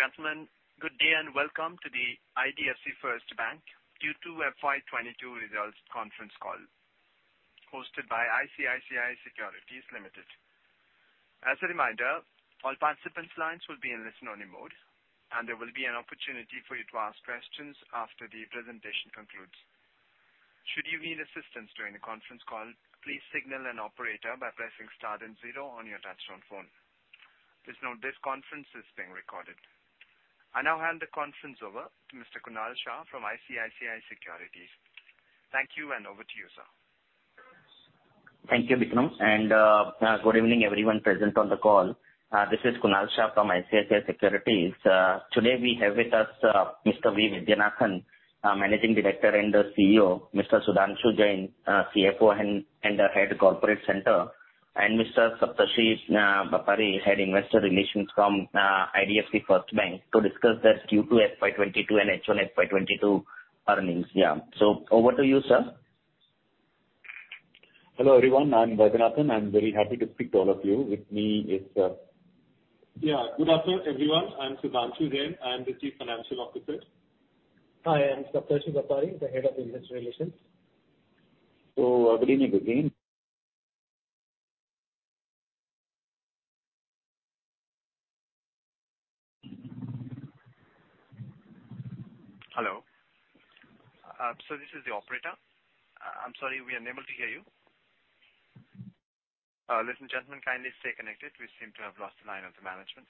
Ladies and gentlemen, good day and welcome to the IDFC First Bank Q2 FY 2022 results conference call hosted by ICICI Securities Limited. As a reminder, all participants' lines will be in listen-only mode, and there will be an opportunity for you to ask questions after the presentation concludes. Should you need assistance during the conference call, please signal an operator by pressing star then zero on your touch-tone phone. Please note this conference is being recorded. I now hand the conference over to Mr. Kunal Shah from ICICI Securities. Thank you, and over to you, sir. Thank you, Vikram. Good evening everyone present on the call. This is Kunal Shah from ICICI Securities. Today we have with us Mr. V. Vaidyanathan, our Managing Director and CEO, Mr. Sudhanshu Jain, CFO, and Head of Corporate Center, and Mr. Saptarshi Bapari, Head, Investor Relations from IDFC First Bank to discuss their Q2 FY 2022 and H1 FY 2022 earnings. Yeah. Over to you, sir. Hello, everyone. I'm Vaidyanathan. I'm very happy to speak to all of you. With me is, Yeah. Good afternoon, everyone. I'm Sudhanshu Jain. I am the Chief Financial Officer. Hi. I'm Saptarshi Bapari, the Head of Investor Relations. Good evening, good day. Hello. This is the operator. I'm sorry, we are unable to hear you. Ladies and gentlemen, kindly stay connected. We seem to have lost the line of the management.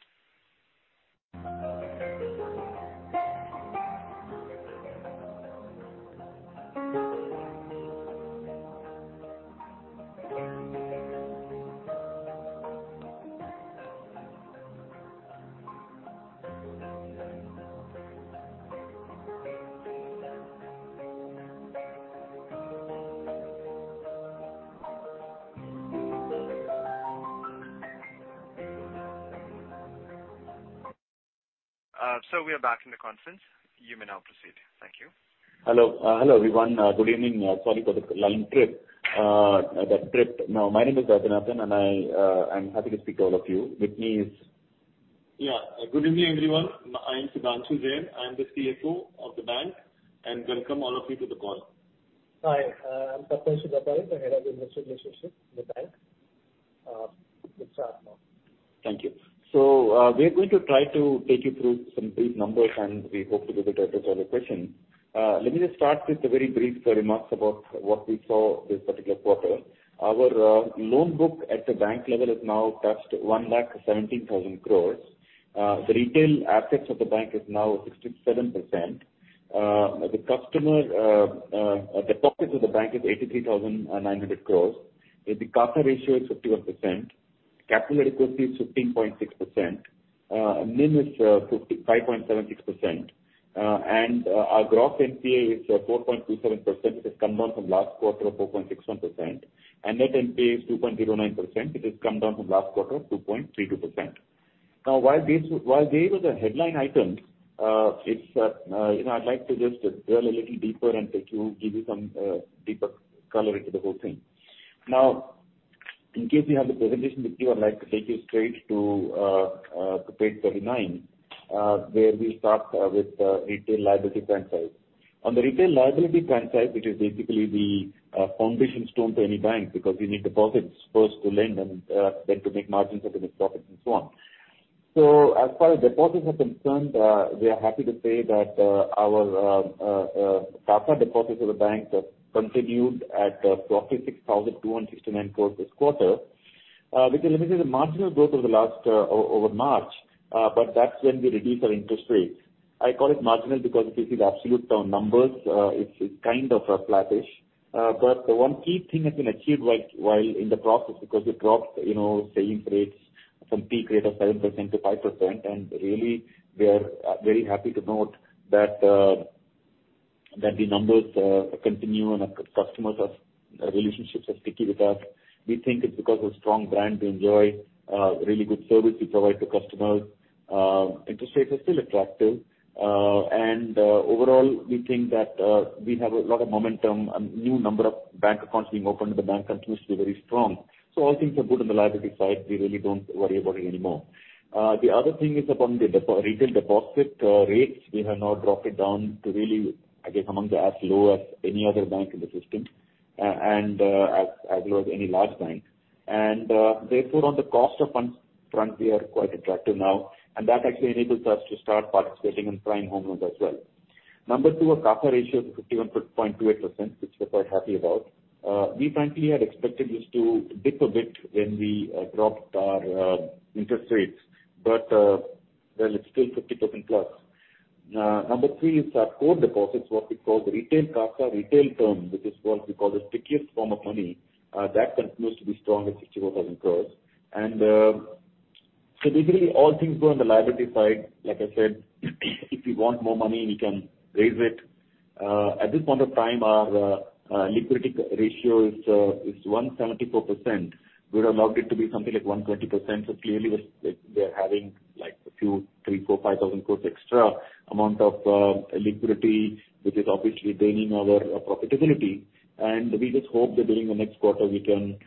Sir, we are back in the conference. You may now proceed. Thank you. Hello. Hello, everyone. Good evening. Sorry for the line trip. Now, my name is Vaidyanathan, and I'm happy to speak to all of you. With me is- Yeah. Good evening, everyone. I am Sudhanshu Jain. I am the CFO of the bank, and I welcome all of you to the call. Hi. I'm Saptarshi Bapari, the Head of Investor Relations with the bank. You can start now. Thank you. We are going to try to take you through some brief numbers, and we hope to be able to answer all your questions. Let me just start with a very brief remarks about what we saw this particular quarter. Our loan book at the bank level has now touched 1,17,000 crore. The retail assets of the bank is now 67%. The deposits of the bank is 83,900 crore. The CASA ratio is 51%. Capital adequacy is 15.6%. NIM is 5.576%. Our gross NPA is 4.27%. It has come down from last quarter of 4.61%. Net NPA is 2.09%. It has come down from last quarter of 2.32%. Now, while these were the headline items, you know, I'd like to just drill a little deeper and take you, give you some deeper color into the whole thing. Now, in case you have the presentation with you, I'd like to take you straight to page 39, where we start with retail liability trend side. On the retail liability trend side, which is basically the foundation stone to any bank, because we need deposits first to lend and then to make margins and make profits and so on. As far as deposits are concerned, we are happy to say that our CASA deposits of the bank have continued at 46,269 crore this quarter. Because let me say the marginal growth over the last over March, but that's when we reduced our interest rates. I call it marginal because if you see the absolute numbers, it's kind of flattish. The one key thing that's been achieved while in the process, because we dropped you know savings rates from peak rate of 7% to 5%, and really we are very happy to note that the numbers continue and our customer relationships are sticky with us. We think it's because of strong brand we enjoy, really good service we provide to customers. Interest rates are still attractive. Overall, we think that we have a lot of momentum and the number of new bank accounts being opened at the bank continues to be very strong. All things are good on the liability side. We really don't worry about it anymore. The other thing is the retail deposit rates. We have now dropped it down to really, I guess, among the lowest, as low as any other bank in the system, and as low as any large bank. Therefore, on the cost of funds front, we are quite attractive now, and that actually enables us to start participating in prime home loans as well. Number two, our CASA ratio is 51.28%, which we're quite happy about. We frankly had expected this to dip a bit when we dropped our interest rates, but well, it's still 50% plus. Number three is our core deposits, what we call the retail CASA, retail term, which is what we call the stickiest form of money. That continues to be strong at 64,000 crore. Basically all things good on the liability side. Like I said, if we want more money, we can raise it. At this point of time, our liquidity ratio is 174%. We'd allowed it to be something like 120%, so clearly we're having like 3,000-5,000 crores extra amount of liquidity which is obviously draining our profitability, and we just hope that during the next quarter, we can,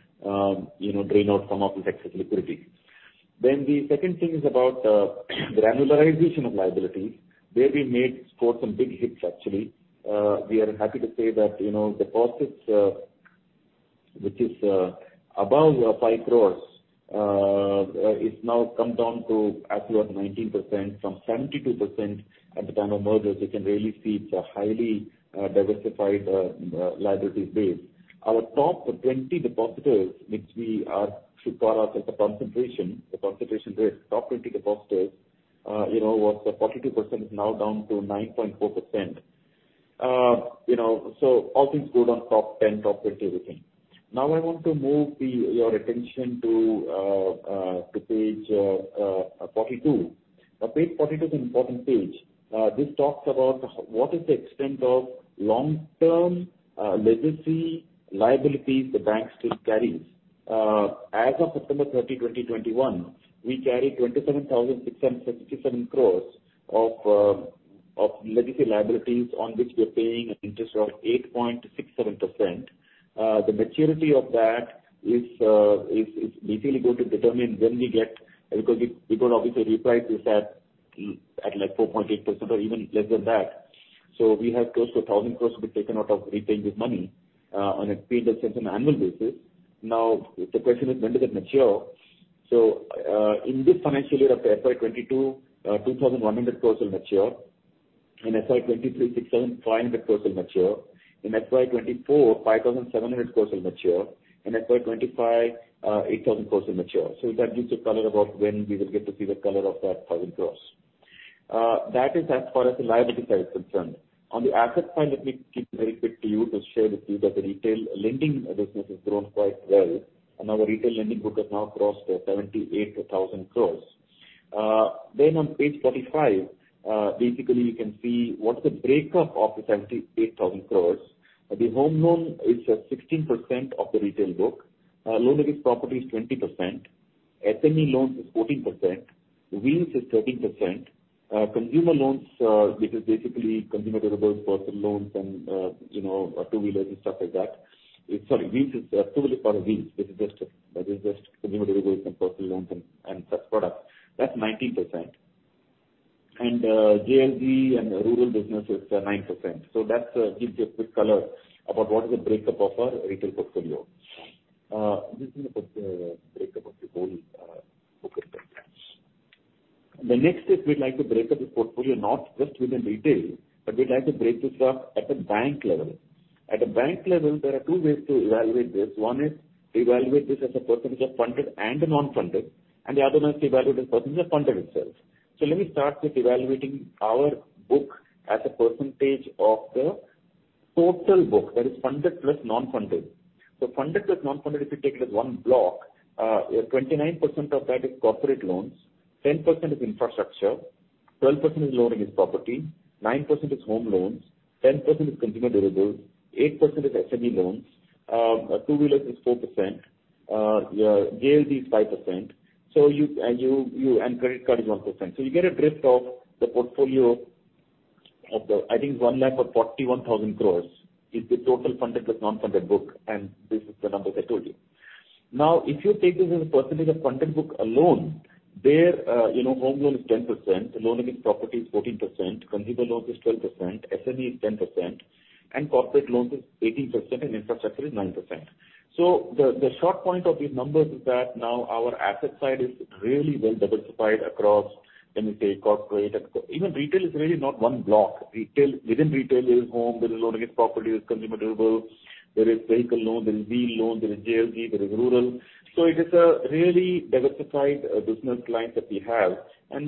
you know, drain out some of this excess liquidity. The second thing is about granularization of liability, where we scored some big hits, actually. We are happy to say that, you know, deposits which is above 5 crores is now come down to as low as 19% from 72% at the time of merger, which you can really see it's a highly diversified liability base. Our top 20 depositors, which we should call the concentration risk, was 42%, is now down to 9.4%. You know, all things good on top 10, top 20, everything. I want to move your attention to page 42. Page 42 is an important page. This talks about what is the extent of long-term legacy liabilities the bank still carries. As of September 30th, 2021, we carry 27,667 crores of legacy liabilities on which we are paying an interest of 8.67%. The maturity of that is basically going to determine when we get. Because obviously, we price this at like 4.8% or even less than that. We have close to 1,000 crores to be taken out of retail's money, on a pre-tax basis on annual basis. Now, the question is when does it mature? In this financial year, up to FY 2022, INR 2,100 crores will mature. In FY 2023, 650 crores will mature. In FY 2024, 5,700 crores will mature. In FY 2025, 8,000 crores will mature. That gives you color about when we will get to see the color of that 500 crores. That is as far as the liability side is concerned. On the asset side, let me keep it very quick to share with you that the retail lending business has grown quite well, and our retail lending book has now crossed 78,000 crore. Then on page 45, basically you can see what's the breakup of the 78,000 crore. The home loan is 16% of the retail book. Loan against property is 20%. SME loans is 14%. Wheels is 13%. Consumer loans, which is basically consumer durables, personal loans and you know two-wheelers and stuff like that. Sorry, wheels is two-wheeler part of wheels. This is just consumer durables and personal loans and such products. That's 19%. JLG and rural business is 9%. That gives you a quick color about what is the breakup of our retail portfolio. This is the quick breakup of the whole book of business. The next is we'd like to break up the portfolio not just within retail, but we'd like to break this up at a bank level. At a bank level, there are two ways to evaluate this. One is to evaluate this as a percentage of funded and non-funded, and the other one is to evaluate this percentage of funded itself. Let me start with evaluating our book as a percentage of the total book, that is funded plus non-funded. Funded plus non-funded, if you take it as one block, 29% of that is corporate loans, 10% is infrastructure, 12% is loan against property, 9% is home loans, 10% is consumer durables, 8% is SME loans, two-wheelers is 4%, JLG is 5%. Credit card is 1%. You get a drift of the portfolio of the, I think it's 141,000 crores is the total funded plus non-funded book, and this is the numbers I told you. Now, if you take this as a percentage of funded book alone, home loan is 10%, loan against property is 14%, consumer loans is 12%, SME is 10%, and corporate loans is 18%, and infrastructure is 9%. The short point of these numbers is that now our asset side is really well diversified across, let me say, corporate and even retail is really not one block. Retail, within retail, there is home, there is loan against property, there is consumer durables, there is vehicle loan, there is two-wheeler loan, there is JLG, there is rural. It is a really diversified business clientele that we have.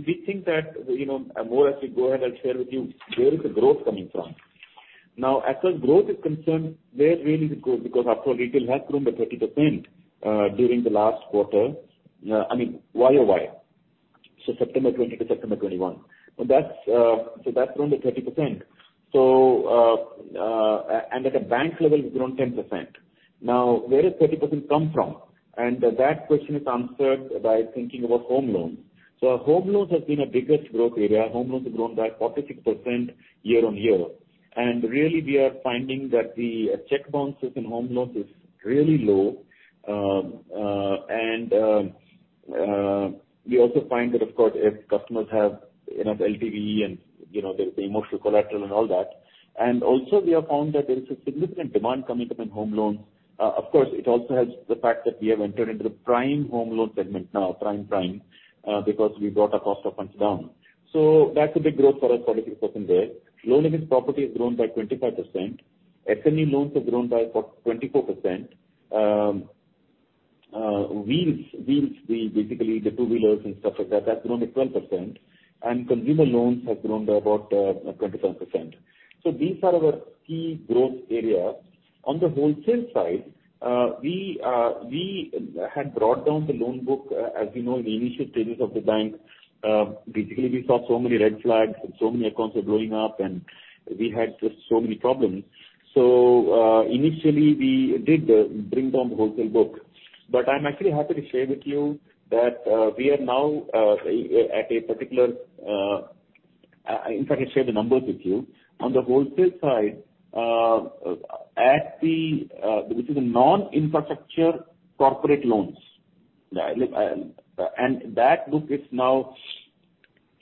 We think that, you know, more as we go ahead, I'll share with you where the growth is coming from. Now, as far as growth is concerned, where really is it growing? Because after all, retail has grown by 30% YOY, so September 2020 to September 2021. That's grown by 30%. At a bank level, it's grown 10%. Now, where does 30% come from? That question is answered by thinking about home loans. Our home loans has been our biggest growth area. Home loans have grown by 46% year-on-year. Really, we are finding that the check bounces in home loans is really low. We also find that, of course, if customers have enough LTV and, you know, the emotional collateral and all that. We have found that there is a significant demand coming up in home loans. Of course, it also helps the fact that we have entered into the prime home loan segment now, prime-prime, because we brought our cost of funds down. That's a big growth for us, 46% there. Loan against property has grown by 25%. SME loans have grown by 24%. Wheels, basically the two-wheelers and stuff like that's grown by 12%. Consumer loans have grown by about 25%. These are our key growth areas. On the wholesale side, we had brought down the loan book, as you know, in the initial stages of the bank. Basically, we saw so many red flags and so many accounts were blowing up, and we had just so many problems. Initially, we did bring down the wholesale book. I'm actually happy to share with you that we are now at a particular. In fact, share the numbers with you. On the wholesale side, which is a non-infrastructure corporate loans. That book is now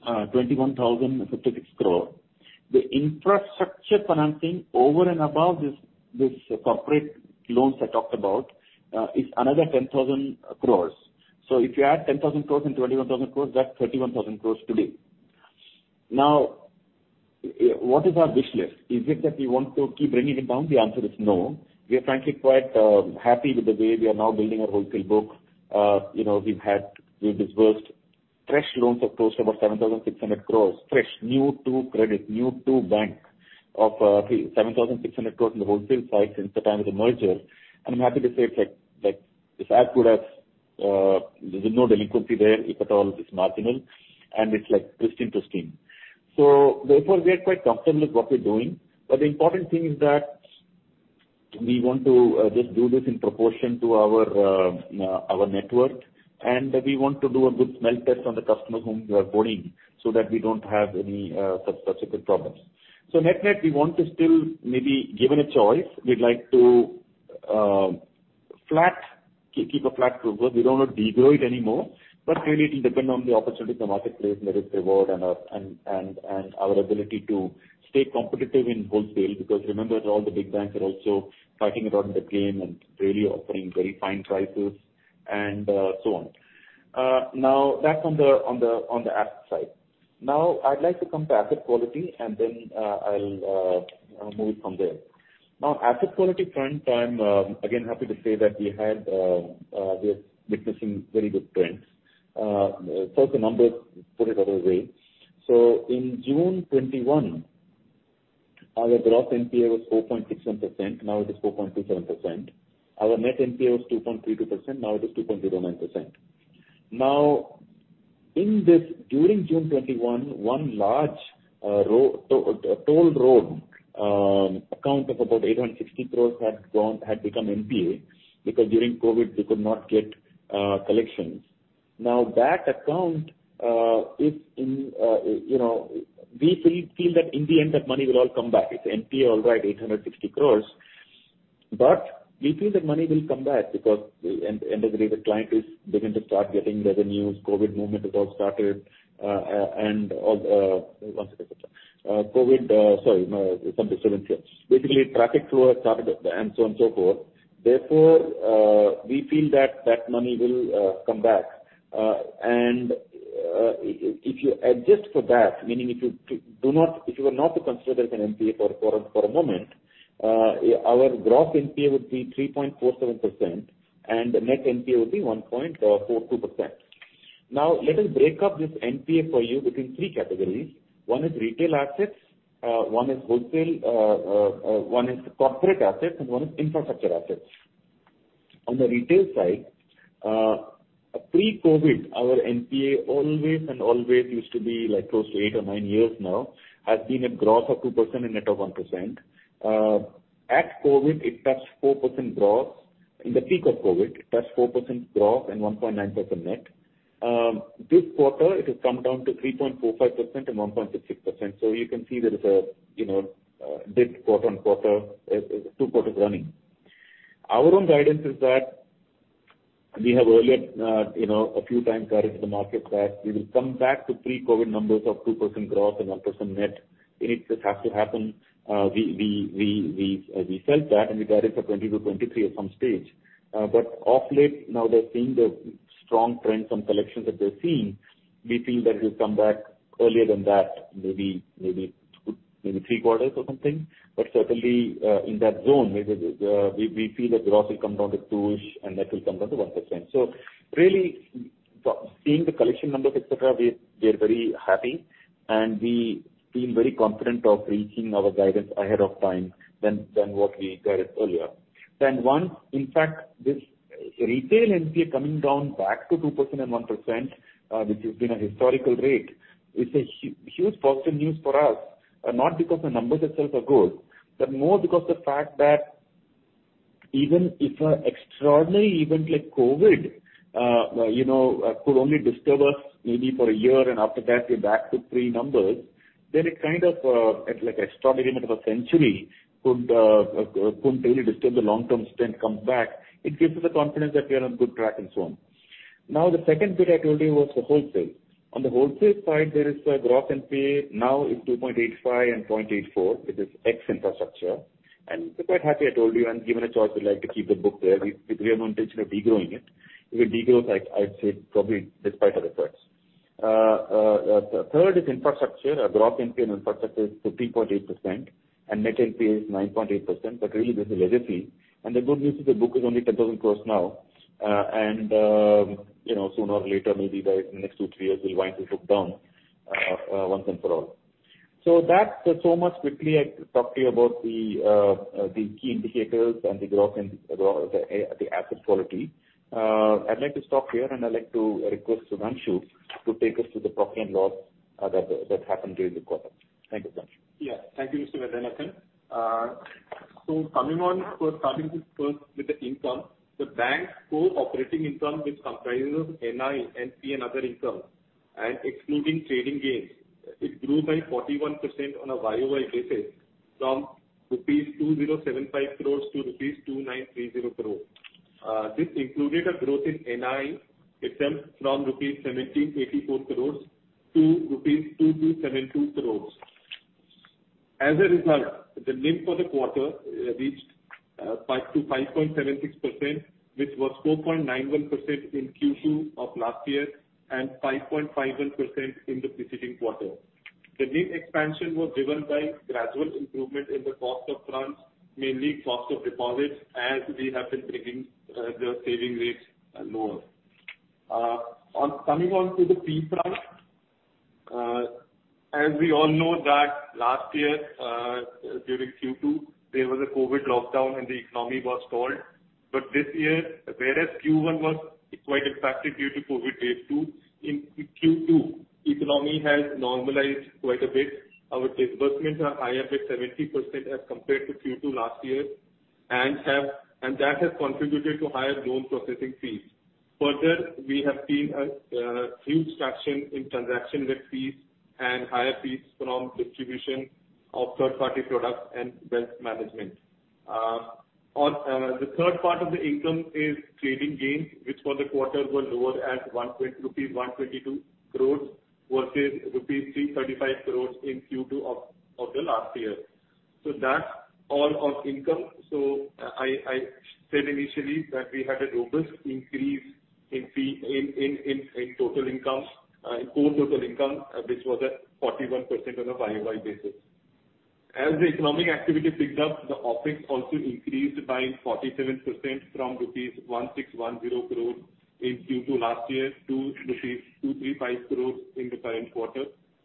21,056 crore. The infrastructure financing over and above this corporate loans I talked about is another 10,000 crore. If you add 10,000 crore and 21,000 crore, that's 31,000 crore today. Now, what is our wish list? Is it that we want to keep bringing it down? The answer is no. We are frankly quite happy with the way we are now building our wholesale book. You know, we've disbursed fresh loans of close to about 7,600 crore, fresh, new to credit, new to bank of 7,600 crore in the wholesale side since the time of the merger. I'm happy to say it's like it's as good as there's no delinquency there. If at all, it's marginal and it's like pristine. Therefore we are quite comfortable with what we're doing. The important thing is that we want to just do this in proportion to our network, and we want to do a good smell test on the customer whom we are boarding so that we don't have any substantial problems. Net-net, we want to still maybe given a choice, we'd like to keep a flat growth. We don't want to de-grow it anymore. Really it'll depend on the opportunity in the marketplace and the risk reward and our ability to stay competitive in wholesale because remember all the big banks are also fighting around in the game and really offering very fine prices and so on. Now that's on the asset side. Now I'd like to come to asset quality and then I'll move it from there. Now asset quality front, I'm again happy to say that we are witnessing very good trends. First the numbers. Put it the other way. In June 2021, our gross NPA was 4.67%. Now it is 4.27%. Our net NPA was 2.32%. Now it is 2.09%. Now in this, during June 2021, one large toll road account of about 860 crore had become NPA because during COVID they could not get collections. Now that account is in, you know, we feel that in the end that money will all come back. It's NPA, all right, 860 crore, but we feel that money will come back because end of the day the client is beginning to start getting revenues. COVID movement has all started, and one second. COVID, sorry, no, some disturbance here. Basically, traffic flow has started up and so on and so forth. Therefore, we feel that that money will come back. If you adjust for that, meaning if you were not to consider it an NPA for a moment, our gross NPA would be 3.47% and net NPA would be 1.42%. Now let us break up this NPA for you between three categories. One is retail assets, one is wholesale, one is corporate assets, and one is infrastructure assets. On the retail side, pre-COVID, our NPA always used to be like close to eight or nine years now, has been a gross of 2% and net of 1%. At COVID it touched 4% gross. In the peak of COVID it touched 4% gross and 1.9% net. This quarter it has come down to 3.45% and 1.66%. So you can see there is a, you know, dip quarter-over-quarter, two quarters running. Our own guidance is that we have earlier, you know, a few times guided the market that we will come back to pre-COVID numbers of 2% gross and 1% net. It just has to happen. We felt that and we guided for 2020 to 2023 at some stage. Of late now they're seeing the strong trends on collections that they're seeing. We feel that it will come back earlier than that, maybe three quarters or something. Certainly, in that zone, maybe, we feel that gross will come down to two-ish and that will come down to 1%. Really, seeing the collection numbers, et cetera, we are very happy and we feel very confident of reaching our guidance ahead of time than what we guided earlier. Once, in fact, this retail NPA coming down back to 2% and 1%, which has been a historical rate, is a huge positive news for us. Not because the numbers itself are good, but more because the fact that even if an extraordinary event like COVID, you know, could only disturb us maybe for a year, and after that we're back to pre numbers, then it kind of, an extraordinary event of a century couldn't really disturb the long-term strength comes back. It gives us the confidence that we are on good track and so on. Now, the second bit I told you was the wholesale. On the wholesale side, the gross NPA now is 2.85% and 0.84%. This is ex-infrastructure. We're quite happy, I told you, and given a choice, we'd like to keep the book there. We have no intention of de-growing it. If it de-grows, I'd say probably despite our efforts. Third is infrastructure. Our gross NPA on infrastructure is 13.8% and net NPA is 9.8%, but really this is a legacy and the good news is the book is only 10,000 crores now. You know, sooner or later, maybe by next two, three years we'll wind this book down once and for all. That's so much quickly I talk to you about the key indicators and the growth and the asset quality. I'd like to stop here and I'd like to request Sudhanshu to take us through the profit and loss that happened during the quarter. Thank you, Sudhanshu. Yeah. Thank you, Mr. Vaidyanathan. Starting with the income, the bank's core operating income, which comprises of NI, NFI and other income, and excluding trading gains, it grew by 41% on a YOY basis from rupees 2,075 crore to rupees 2,930 crore. This included a growth in NI itself from rupees 1,784 crore to rupees 2,272 crore. As a result, the NIM for the quarter reached 5 to 5.76%, which was 4.91% in Q2 of last year and 5.51% in the preceding quarter. The NIM expansion was driven by gradual improvement in the cost of funds, mainly cost of deposits, as we have been bringing the savings rates lower. On coming on to the fee front, as we all know that last year, during Q2, there was a COVID lockdown and the economy was stalled. This year, whereas Q1 was quite impacted due to COVID wave two, in Q2, economy has normalized quite a bit. Our disbursements are higher with 70% as compared to Q2 last year, and that has contributed to higher loan processing fees. Further, we have seen a huge traction in transaction with fees and higher fees from distribution of third party products and wealth management. On the third part of the income is trading gains, which for the quarter were lower at 122 crores versus rupees 335 crores in Q2 of the last year. That's all on income. I said initially that we had a robust increase in fee total income in core total income which was at 41% on a YOY basis. As the economic activity picked up, the OpEx also increased by 47% from rupees 1,610 crore in Q2 last year to rupees 235 crore in the current quarter.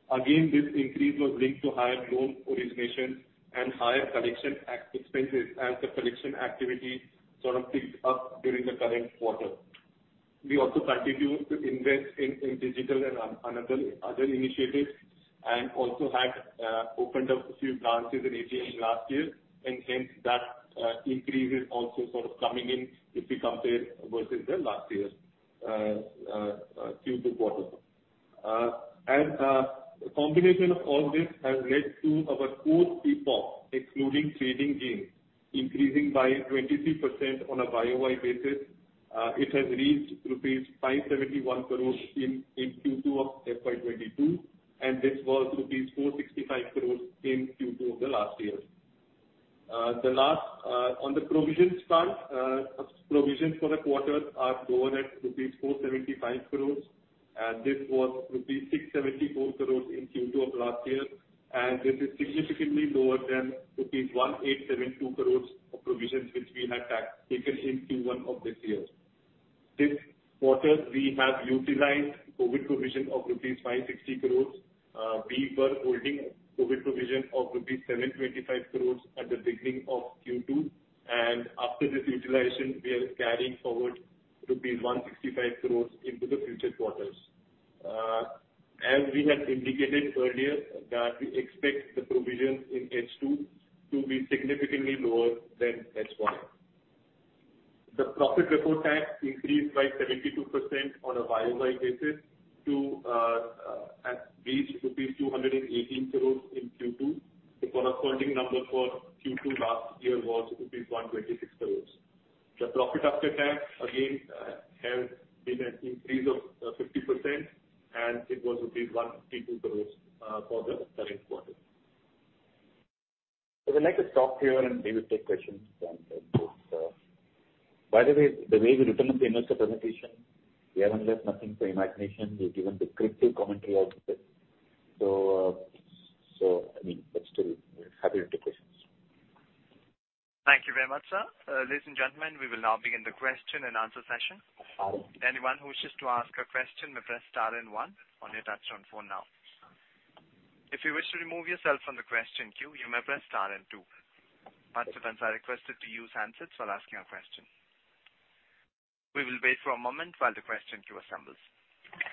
Again, this increase was linked to higher loan origination and higher collection expenses as the collection activity sort of picked up during the current quarter. We also continued to invest in digital and another other initiatives, and also had opened up a few branches in Asia last year, and hence that increase is also sort of coming in if we compare versus the last year's Q2 quarter. The combination of all this has led to our core PPOP, excluding trading gains, increasing by 23% on a YOY basis. It has reached rupees 571 crores in Q2 of FY 2022, and this was rupees 465 crores in Q2 of the last year. On the provision front, provisions for the quarter are lower at rupees 475 crores, and this was rupees 674 crores in Q2 of last year. This is significantly lower than rupees 1,872 crores of provisions which we had taken in Q1 of this year. This quarter we have utilized COVID provision of rupees 560 crores. We were holding COVID provision of rupees 725 crores at the beginning of Q2, and after this utilization, we are carrying forward 165 crores into the future quarters. As we had indicated earlier that we expect the provisions in H2 to be significantly lower than H1. The profit before tax increased by 72% on a YOY basis to and reached rupees 218 crores in Q2. The corresponding number for Q2 last year was rupees 126 crores. The profit after tax again has been an increase of 50%, and it was rupees 152 crores for the current quarter. We'd like to stop here and maybe take questions from both. By the way, the way we've written up the investor presentation, we haven't left nothing to imagination. We've given descriptive commentary also. I mean, but still we're happy to take questions. Thank you very much, sir. Ladies and gentlemen, we will now begin the question and answer session. Anyone who wishes to ask a question may press star and one on your touch-tone phone now. If you wish to remove yourself from the question queue, you may press star and two. Participants are requested to use handsets while asking a question. We will wait for a moment while the question queue assembles.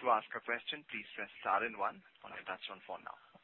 To ask a question, please press star and one on your touch-tone phone now.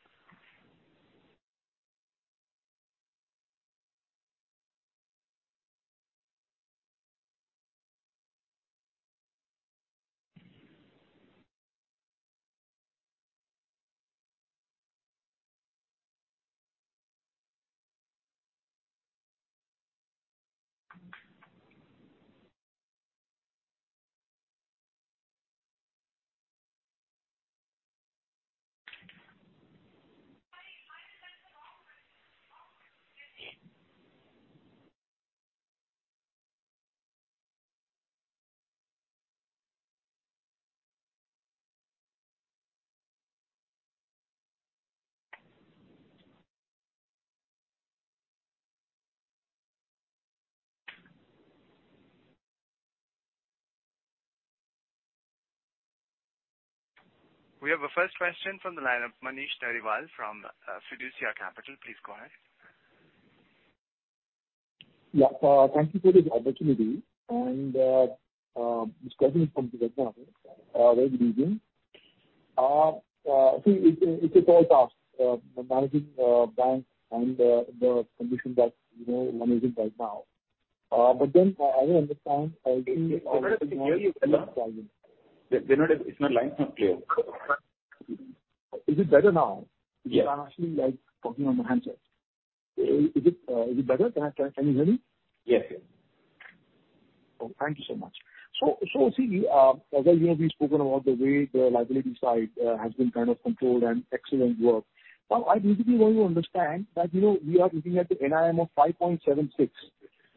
We have a first question from the line of Manish Dhariwal from Fiducia Capital. Please go ahead. Yeah. Thank you for this opportunity and this question is from you. Very good evening. See, it's a tall task managing a bank and the conditions that you know one is in right now. I don't understand. Can you hear me? It's my line's not clear. Is it better now? Yes. 'Cause I'm actually, like, talking on my handset. Is it better? Can you hear me? Yes. Oh, thank you so much. See, well, you know, we've spoken about the way the liability side has been kind of controlled and excellent work. I basically want to understand that, you know, we are looking at the NIM of 5.76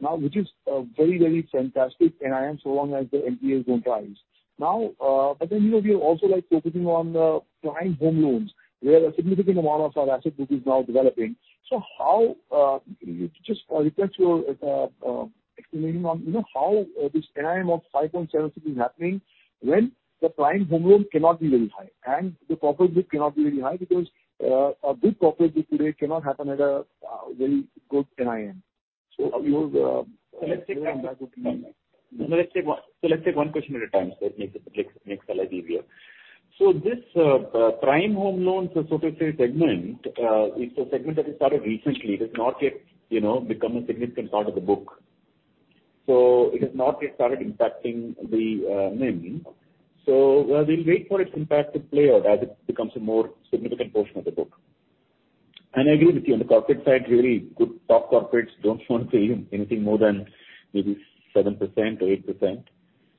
now, which is very, very fantastic NIM, so long as the NPAs don't rise. You know, we are also, like, focusing on the prime home loans, where a significant amount of our asset book is now developing. How just request your explanation on, you know, how this NIM of 5.76 is happening when the prime home loan cannot be really high, and the corporate book cannot be really high because a big corporate book today cannot happen at a very good NIM. Your, Let's take one question at a time, it makes the life easier. This prime home loans, so to say segment, it's a segment that we started recently. It has not yet, you know, become a significant part of the book. It has not yet started impacting the NIM. We'll wait for its impact to play out as it becomes a more significant portion of the book. I agree with you, on the corporate side, really good top corporates don't want to pay you anything more than maybe 7% or 8%.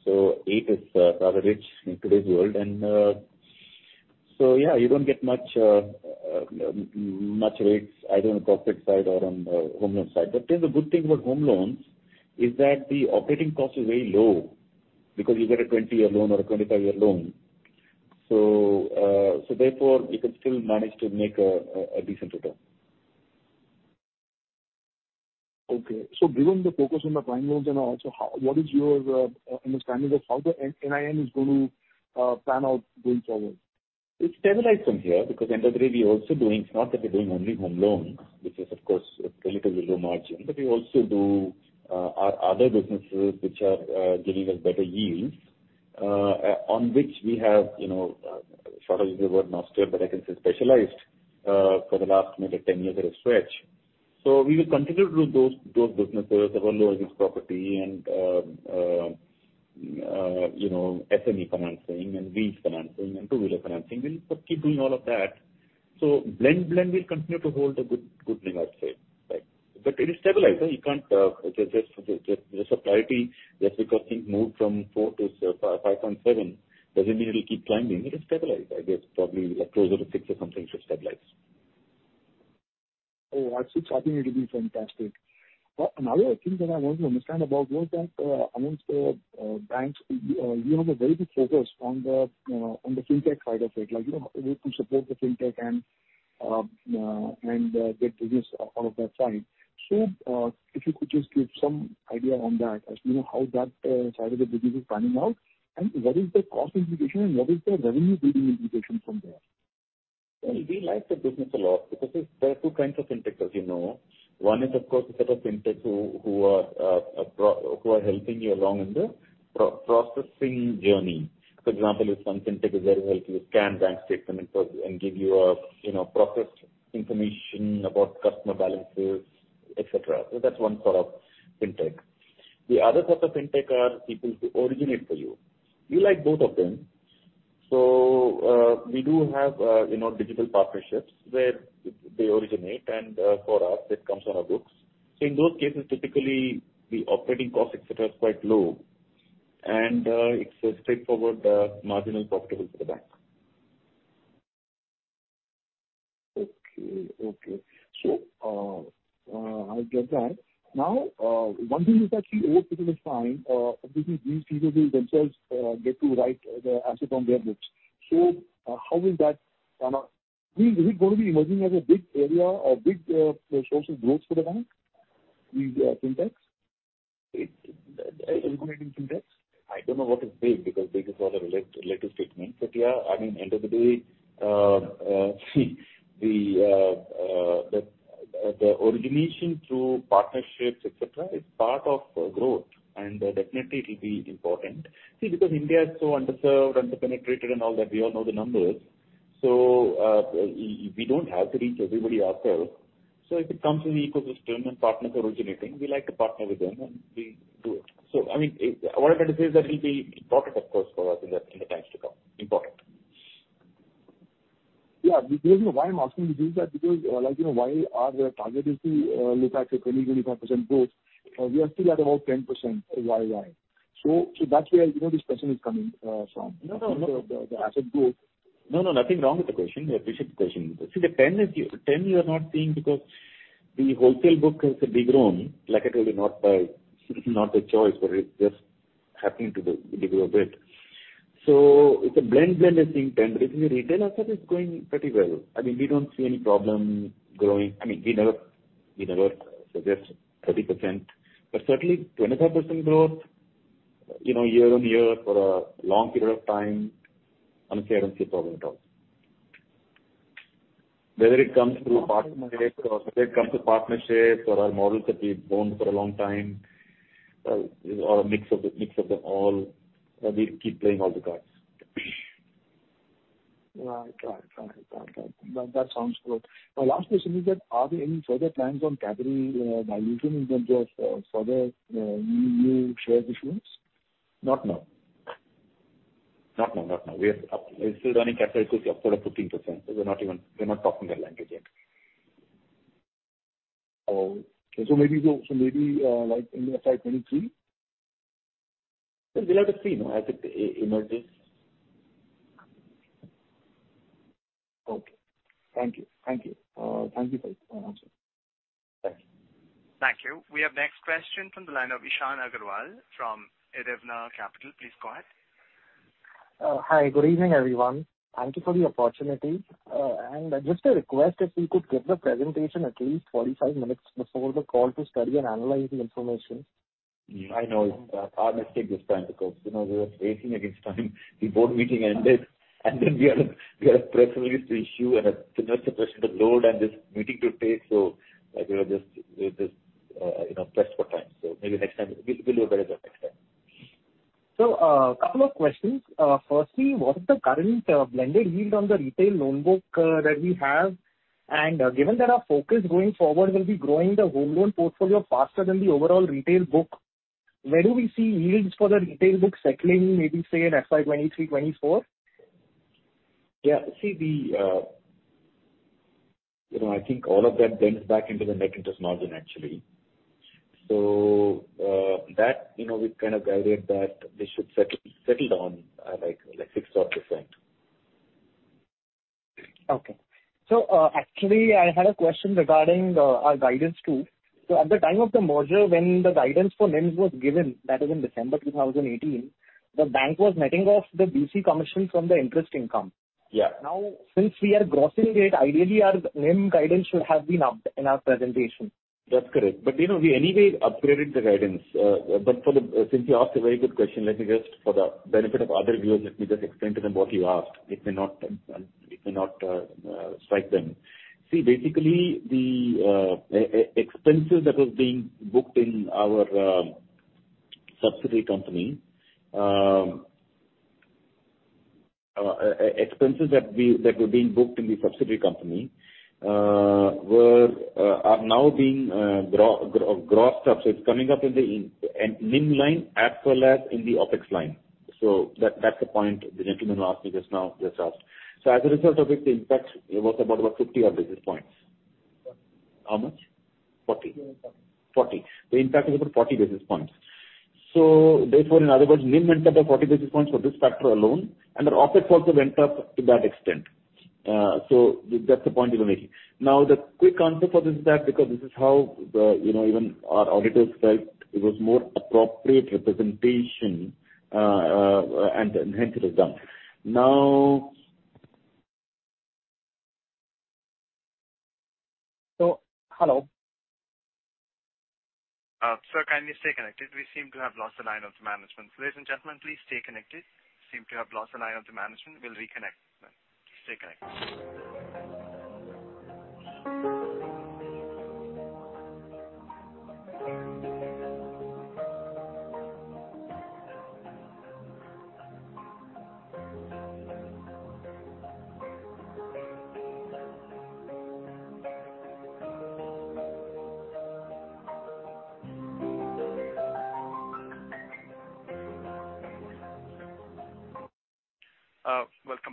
8% is rather rich in today's world and, yeah, you don't get much rates either on the corporate side or on the home loan side. The good thing about home loans is that the operating cost is very low because you get a 20-year loan or a 25-year loan. Therefore you can still manage to make a decent return. Okay. Given the focus on the prime loans and also, what is your understanding of how the NIM is going to pan out going forward? It's stabilized from here because end of the day we are also doing. It's not that we're doing only home loans, which is of course relatively low-margin, but we also do our other businesses which are giving us better yields on which we have you know short of using the word master, but I can say specialized for the last maybe 10 years or a stretch. We will continue to do those businesses, our low-risk property and you know SME financing and lease financing and two-wheeler financing. We'll keep doing all of that. Blend will continue to hold a good range, I'd say, right? It is stabilized, so you can't. Just because things moved from four to 5.7 doesn't mean it'll keep climbing. It is stabilized, I guess, probably closer to six or something. It should stabilize. Oh, at six I think it'll be fantastic. Another thing that I want to understand about was that, amongst the banks, you have a very big focus on the fintech side of it. Like, you know, a way to support the fintech and get business out of that side. If you could just give some idea on that, as you know, how that side of the business is panning out, and what is the cost implication and what is the revenue-giving implication from there? Well, we like the business a lot because there are two kinds of fintech, as you know. One is of course a set of fintech who are helping you along in the processing journey. For example, if one fintech is there to help you scan bank statement and so, and give you a, you know, processed information about customer balances, et cetera. That's one sort of fintech. The other sort of fintech are people who originate for you. We like both of them. We do have, you know, digital partnerships where they originate and, for us it comes on our books. In those cases, typically the operating costs, et cetera, are quite low and, it's a straightforward, marginally profitable for the bank. Okay. I get that. Now, one thing is that we hope people to sign, obviously these people will themselves get to write the asset on their books. How will that pan out? Is it gonna be emerging as a big area or big source of growth for the bank with fintechs? Regulating fintechs? I don't know what is big because big is a rather relative statement. Yeah, I mean, end of the day, the origination through partnerships, et cetera, is part of growth and definitely it'll be important. See, because India is so underserved, under-penetrated and all that, we all know the numbers. We don't have to reach everybody ourselves. If it comes in the ecosystem and partners are originating, we like to partner with them and we do it. I mean, what I'm trying to say is that it'll be important of course for us in the times to come. Important. The reason why I'm asking you this is that because, like, you know, while our target is to look at a 20%-25% growth, we are still at about 10% YOY. That's where, you know, this question is coming from. No, no. The asset growth. No, no, nothing wrong with the question. I appreciate the question. See, the 10 is, 10 you are not seeing because the wholesale book has degrown, like I told you, not by choice, but it's just happening to grow a bit. So it's a blend, I think 10. But if you're a retailer, I'll say it's going pretty well. I mean, we don't see any problem growing. I mean, we never suggest 30%, but certainly 25% growth, you know, year-on-year for a long period of time. I'm sure it won't be a problem at all. Whether it comes through partnership or whether it comes through partnerships or our models that we've owned for a long time, or a mix of them all, we keep playing all the cards. Right. That sounds good. My last question is that are there any further plans on capital dilution in terms of further new share issuance? Not now. We are up. We're still running capital ratio of sort of 15%, so we're not even talking that language yet. Oh, okay. Maybe like in FY 2023? We'll have to see. No, I think, you know, this Okay. Thank you for your answer. Thank you. Thank you. We have next question from the line of Ishan Aggarwal from Edelweiss Capital. Please go ahead. Hi. Good evening, everyone. Thank you for the opportunity. Just a request, if we could get the presentation at least 45 minutes before the call to study and analyze the information. Yeah, I know it's our mistake this time because, you know, we were racing against time. The board meeting ended, and then we had a press release to issue and significant pressure to hold this meeting, so like we were just, you know, pressed for time. Maybe next time. We'll do better job next time. Couple of questions. Firstly, what is the current blended yield on the retail loan book that we have? Given that our focus going forward will be growing the home loan portfolio faster than the overall retail book, where do we see yields for the retail book settling, maybe say in FY 2023, 2024? You know, I think all of that blends back into the net interest margin, actually. You know, we've kind of guided that they should settle down at like 6%-7%. Actually, I had a question regarding our guidance too. At the time of the merger when the guidance for NIMs was given, that is in December 2018, the bank was netting off the BC Commission from the interest income. Yeah. Now, since we are grossing it, ideally our NIM guidance should have been upped in our presentation. That's correct. You know, we anyway upgraded the guidance. Since you asked a very good question, let me just for the benefit of other viewers explain to them what you asked. It may not strike them. See, basically the expenses that were being booked in the subsidiary company are now being grossed up. It's coming up in the NIM line as well as in the OpEx line. That's the point the gentleman who asked me just now just asked. As a result of it, the impact was about 50-odd basis points. How much? 40? 40. The impact is about 40 basis points. Therefore, in other words, NIM went up by 40 basis points for this factor alone, and our OpEx also went up to that extent. So that's the point you were making. Now, the quick answer for this is that because this is how the, you know, even our auditors felt it was more appropriate representation, and hence it is done. Now Hello? Sir, can you stay connected? We seem to have lost the line of the management. Ladies and gentlemen, please stay connected. Seem to have lost the line of the management. We'll reconnect them. Stay connected.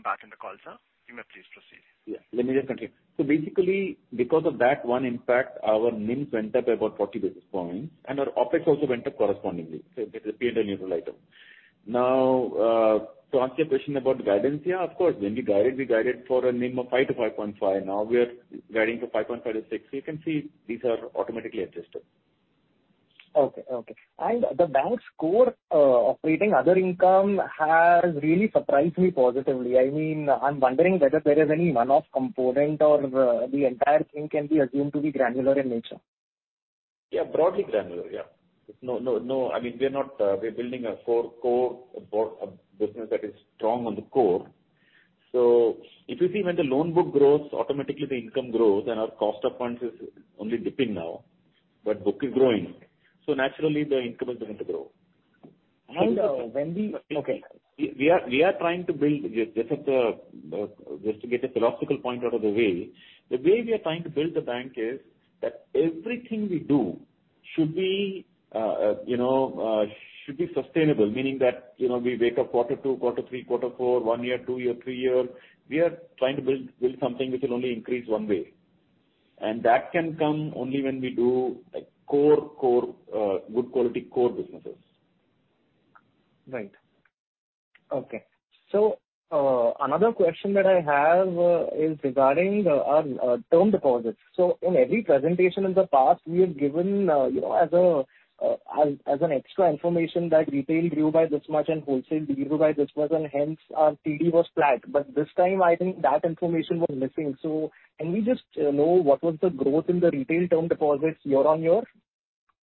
Welcome back on the call, sir. You may please proceed. Yeah. Let me just continue. Basically because of that one impact, our NIMs went up by about 40 basis points, and our OpEx also went up correspondingly. It appeared a neutral item. Now, to answer your question about guidance, yeah, of course, when we guided, we guided for a NIM of 5%-5.5%. Now we are guiding for 5.5%-6%. You can see these are automatically adjusted. Okay. The bank's core operating other income has really surprised me positively. I mean, I'm wondering whether there is any one-off component or the entire thing can be assumed to be granular in nature. Broadly granular. No, I mean, we are not. We are building a core business that is strong on the core. If you see when the loan book grows, automatically the income grows and our cost of funds is only dipping now, but book is growing, naturally the income is going to grow. When we Okay. We are trying to build. Just to get the philosophical point out of the way, the way we are trying to build the bank is that everything we do should be, you know, sustainable. Meaning that, you know, we wake up Q2, Q3, Q4, one year, two year, three year, we are trying to build something which will only increase one way. That can come only when we do good quality core businesses. Right. Okay. Another question that I have is regarding our term deposits. In every presentation in the past we have given, you know, as an extra information that retail grew by this much and wholesale grew by this much and hence our TD was flat. This time I think that information was missing. Can we just know what was the growth in the retail term deposits year-over-year?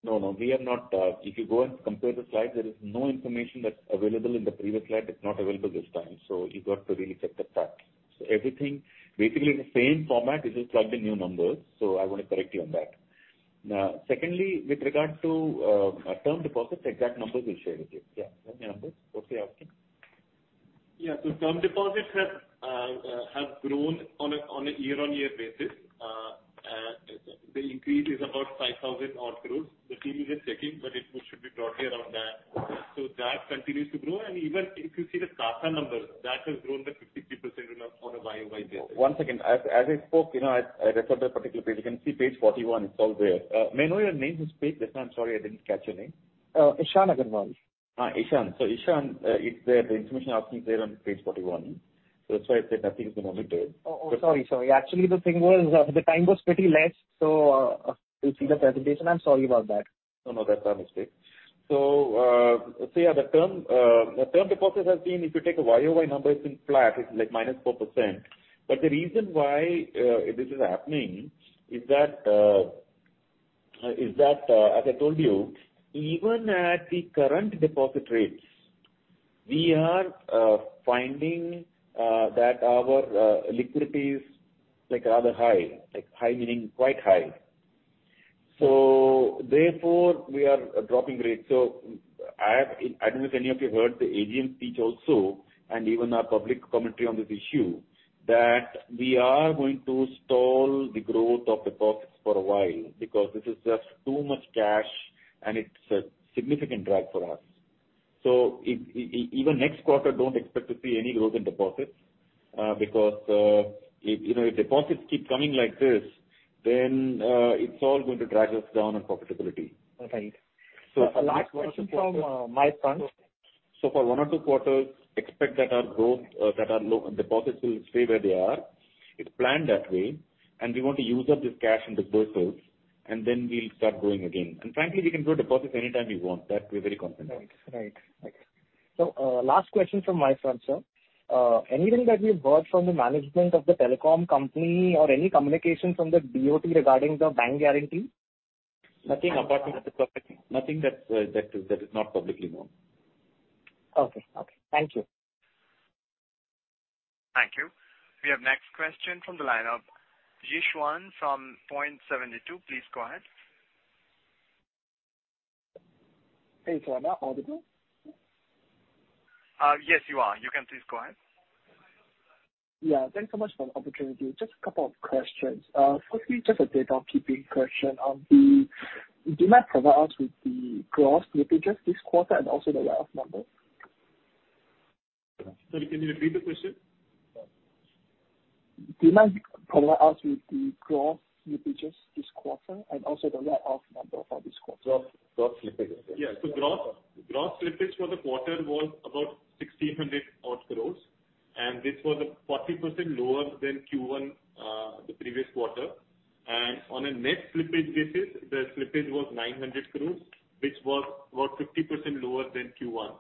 No, we are not. If you go and compare the slide, there is no information that's available in the previous slide that's not available this time, so you've got to really check the fact. Everything basically in the same format, we just plugged in new numbers, so I wanna correct you on that. Now, secondly, with regard to our term deposits, the exact numbers we'll share with you. Yeah. You have the numbers? What's he asking? Yeah. Term deposits have grown on a year-over-year basis. The increase is about 5,000 odd crores. The team is just checking, but it should be broadly around that. That continues to grow and even if you see the CASA numbers, that has grown by 50% on a YOY basis. One second. As I spoke, you know, I referred that particular page. You can see page 41, it's all there. May I know your name, who's speaking? I'm sorry I didn't catch your name. Ishan Agarwal. Ishan. Ishan, it's there. The information you're asking is there on page 41. That's why I said nothing has been omitted. Oh, sorry. Actually, the thing was, the time was pretty less, so, didn't see the presentation. I'm sorry about that. No, that's our mistake. The term deposits has been flat if you take a YOY number. Not flat, it's like minus 4%. The reason why this is happening is that as I told you, even at the current deposit rates, we are finding that our liquidity is like rather high. Like, high meaning quite high. Therefore we are dropping rates. I don't know if any of you heard the AGM speech also, and even our public commentary on this issue, that we are going to stall the growth of deposits for a while because this is just too much cash and it's a significant drag for us. Even next quarter, don't expect to see any growth in deposits, because if, you know, if deposits keep coming like this then, it's all going to drag us down on profitability. Right. So Last question from my front. For one or two quarters, expect that our growth, that our deposits will stay where they are. It's planned that way, and we want to use up this cash in disbursements and then we'll start growing again. Frankly, we can grow deposits any time we want. That we're very confident in. Right. Thanks. Last question from my front, sir. Anything that we've heard from the management of the telecom company or any communication from the DoT regarding the bank guarantee? Nothing apart from what's public. Nothing that is not publicly known. Okay. Thank you. Thank you. We have next question from the line of Yuxuan Gao from Point72. Please go ahead. Hey, sir. Am I audible? Yes, you are. You can please go ahead. Yeah. Thanks so much for the opportunity. Just a couple of questions. Quickly just a data keeping question. On the, do you mind provide us with the gross slippages this quarter and also the write-off numbers? Sorry, can you repeat the question? Do you mind providing us with the gross slippages this quarter and also the write-off number for this quarter? Gross slippage you said. Gross slippage for the quarter was about INR 1,600 crore, and this was 40% lower than Q1, the previous quarter. On a net slippage basis, the slippage was 900 crore, which was about 50% lower than Q1.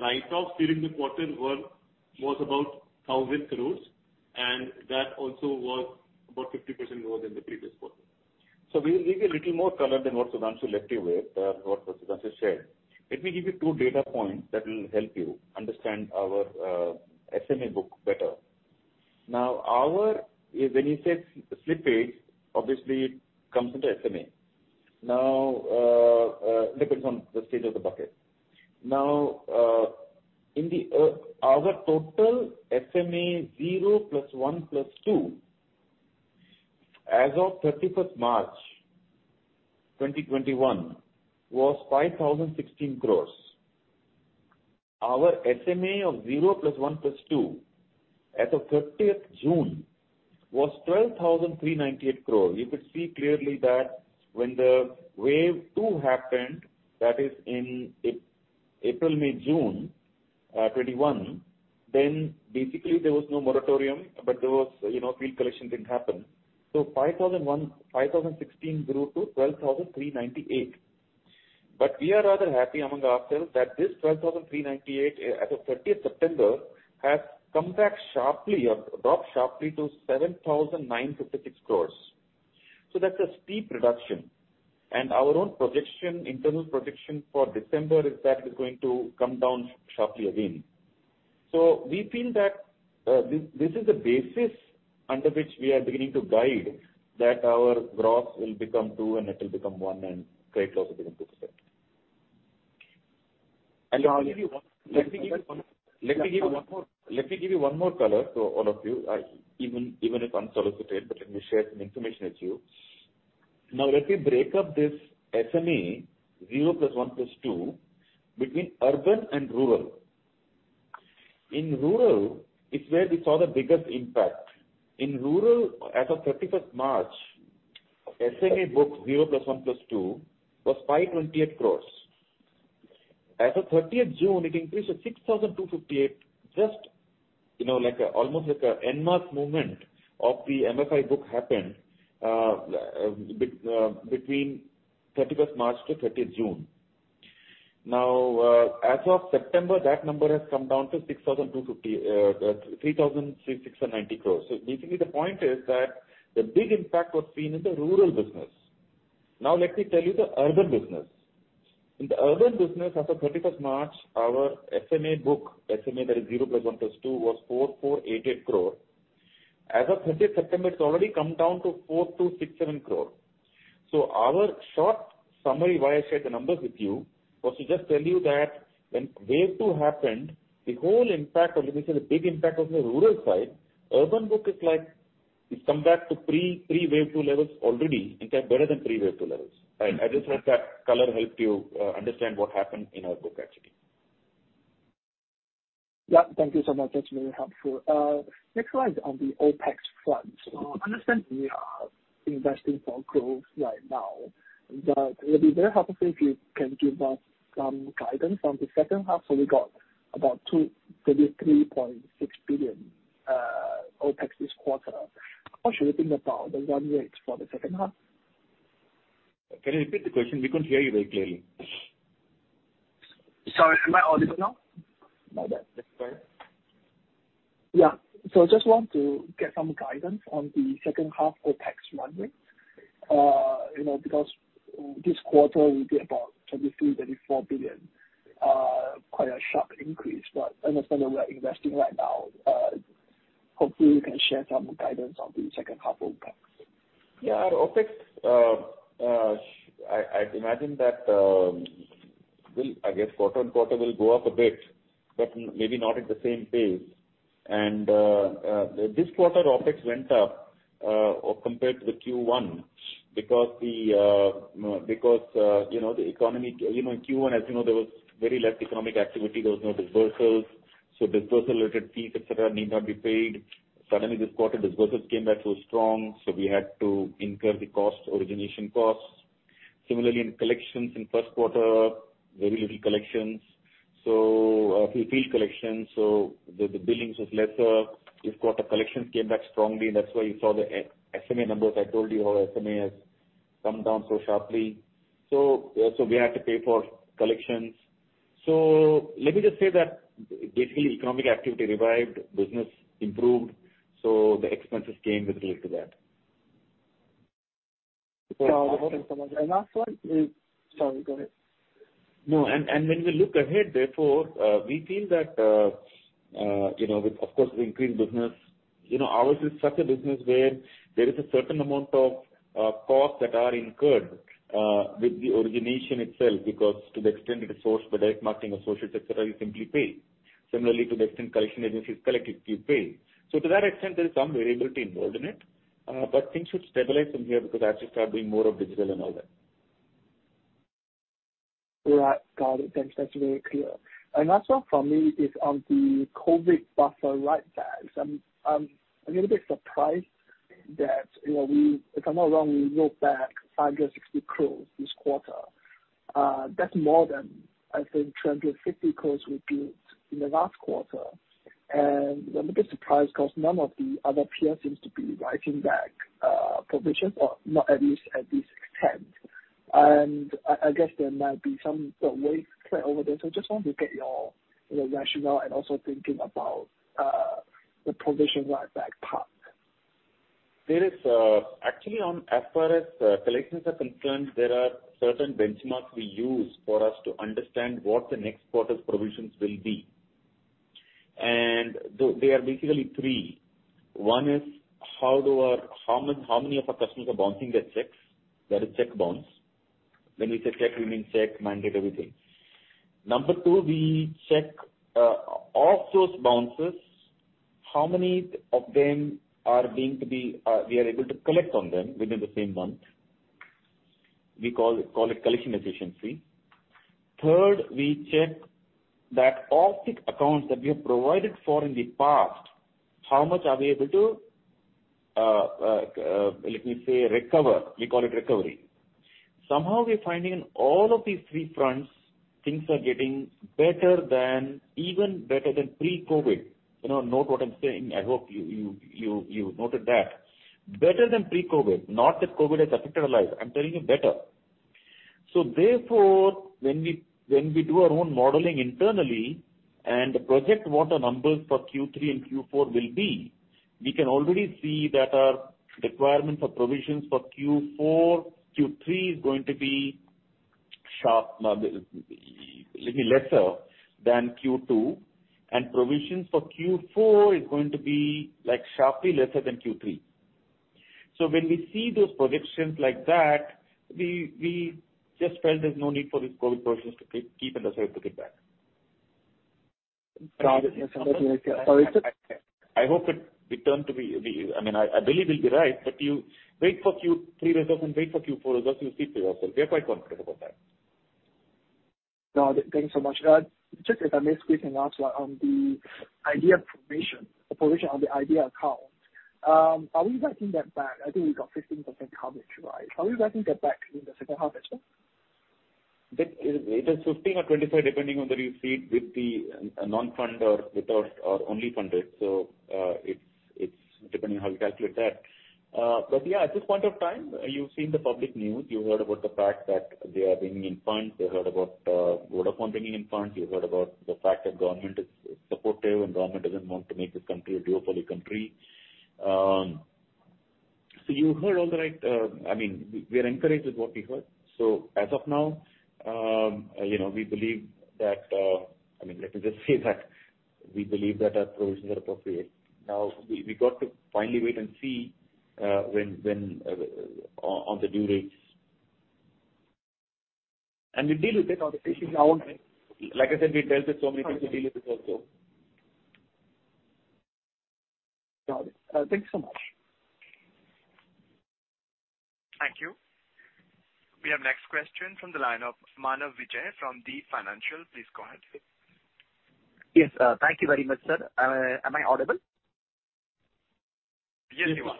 Write-offs during the quarter was about 1,000 crore, and that also was about 50% lower than the previous quarter. We give a little more color than what Sudhanshu left you with, what Sudhanshu shared. Let me give you two data points that will help you understand our SMA book better. When you say slippage, obviously it comes into SMA. It depends on the state of the bucket. In our total SMA zero plus one plus two as of 31st, March 2021 was 5,016 crore. Our SMA of zero plus one plus two as of 30th, June 2021 was 12,398 crore. You could see clearly that when the wave two happened, that is in April, May, June 2021, then basically there was no moratorium, but there was, you know, field collection didn't happen. 5,016 crore grew to 12,398 crore. We are rather happy among ourselves that this 12,398 crore as of 30th September has come down sharply to 7,956 crore. That's a steep reduction. Our own projection, internal projection for December is that it's going to come down sharply again. We feel that this is the basis under which we are beginning to guide, that our gross will become 2% and it'll become 1% and credit loss will become 2%. Let me give you one more color to all of you. Even if unsolicited, let me share some information with you. Now, let me break up this SMA zero plus one plus two between urban and rural. In rural it's where we saw the biggest impact. In rural, as of 31st March, SMA book zero plus one plus two was 528 crore. As of 30th June, it increased to 6,258 crore. Just, you know, like almost like an en masse movement of the MFI book happened between 31st, March to 30th, June. Now, as of September, that number has come down to 3,690 crore. So basically, the point is that the big impact was seen in the rural business. Now let me tell you the urban business. In the urban business, as of 31st, March, our SMA book, SMA that is zero plus one plus two was 4,488 crore. As of 30th, September, it's already come down to 4,267 crore. Our short summary, why I shared the numbers with you, was to just tell you that when wave two happened, the whole impact or let me say the big impact was on the rural side. Urban book is like it's come back to pre-wave two levels already, in fact better than pre-wave two levels, right? Mm-hmm. I just let that color help you understand what happened in our book actually. Yeah, thank you so much. That's very helpful. Next one is on the OpEx front. I understand we are investing for growth right now, but it'll be very helpful if you can give us some guidance on the H2. We got about 33.6 billion OpEx this quarter. How should we think about the run rate for the H2? Can you repeat the question? We couldn't hear you very clearly. Sorry, am I audible now? Much better. Just want to get some guidance on the H2 OpEx run rate. You know, because this quarter will be about 33 billion-34 billion. Quite a sharp increase but understand that we're investing right now. Hopefully you can share some guidance on the H2 OpEx. Yeah, our OpEx, I imagine that we'll, I guess quarter-over-quarter will go up a bit, but maybe not at the same pace. This quarter OpEx went up or compared to the Q1 because the economy. You know, in Q1, as you know, there was very less economic activity. There was no disbursements. So disbursement related fees, et cetera, need not be paid. Suddenly this quarter disbursements came back so strong, so we had to incur the cost, origination costs. Similarly, in collections in Q1, very little collections. Few field collections, so the billings was lesser. This quarter, collections came back strongly and that's why you saw the SMA numbers. I told you how SMA has come down so sharply. So we had to pay for collections. Let me just say that basically economic activity revived, business improved, so the expenses came with it related to that. Yeah. Thank you so much. Last one is. Sorry, go ahead. No. When we look ahead therefore, we feel that, you know, with of course the increased business, you know, ours is such a business where there is a certain amount of costs that are incurred with the origination itself because to the extent we resource the direct marketing associates, et cetera, you simply pay. Similarly, to the extent collection agencies collect, you pay. To that extent, there's some variability involved in it. Things should stabilize from here because as you start doing more of digital and all that. Right. Got it. Thanks. That's very clear. Last one from me is on the COVID buffer write-backs. I'm a little bit surprised that, you know, we, if I'm not wrong, we wrote back 560 crore this quarter. That's more than I think 250 crore we built in the last quarter. I'm a bit surprised 'cause none of the other peers seems to be writing back provisions or not at least at this extent. I guess there might be some risk play over there. Just want to get your, you know, rationale and also thinking about the provision write-back part. There is actually as far as collections are concerned, there are certain benchmarks we use for us to understand what the next quarter's provisions will be. They are basically three. One is how many of our customers are bouncing their checks. That is check bounce. When we say check, we mean check, mandate, everything. Number two, we check of those bounces, how many of them we are able to collect on them within the same month. We call it collection efficiency. Third, we check that of the accounts that we have provided for in the past, how much are we able to recover. We call it recovery. Somehow we're finding in all of these three fronts things are getting better, even better than pre-COVID. You know, note what I'm saying. I hope you noted that. Better than pre-COVID. Not that COVID has affected our life. I'm telling you better. Therefore, when we do our own modeling internally and project what our numbers for Q3 and Q4 will be, we can already see that our requirements for provisions for Q4, Q3 is going to be sharp, maybe lesser than Q2. Provisions for Q4 is going to be, like, sharply lesser than Q3. When we see those projections like that, we just felt there's no need for these COVID provisions to keep and also to take back. Got it. Sorry. I hope it return to be. I mean, I believe we'll be right, but you wait for Q3 results and wait for Q4 results, you'll see for yourself. We are quite confident about that. No, thank you so much. Just if I may squeeze in last one on the Idea provision, the provision on the Idea account. Are we writing that back? I think we got 15% coverage, right? Are we writing that back in the H2 at all? That is, it is 15% or 25%, depending on whether you see it with the non-funded, without or only funded. Depending on how you calculate that. But yeah, at this point of time, you've seen the public news, you heard about the fact that they are bringing in funds. You heard about Vodafone bringing in funds. You heard about the fact that government is supportive and government doesn't want to make this country a duopoly country. You heard all the right. I mean, we are encouraged with what we heard. As of now, you know, we believe that. I mean, let me just say that we believe that our provisions are appropriate. Now, we got to finally wait and see when on the due dates. We deal with it on the issues. Like I said, we dealt with so many things, we deal with it also. Got it. Thank you so much. Thank you. We have next question from the line of Manav Vijay from Deep Financial. Please go ahead. Yes. Thank you very much, sir. Am I audible? Yes, you are.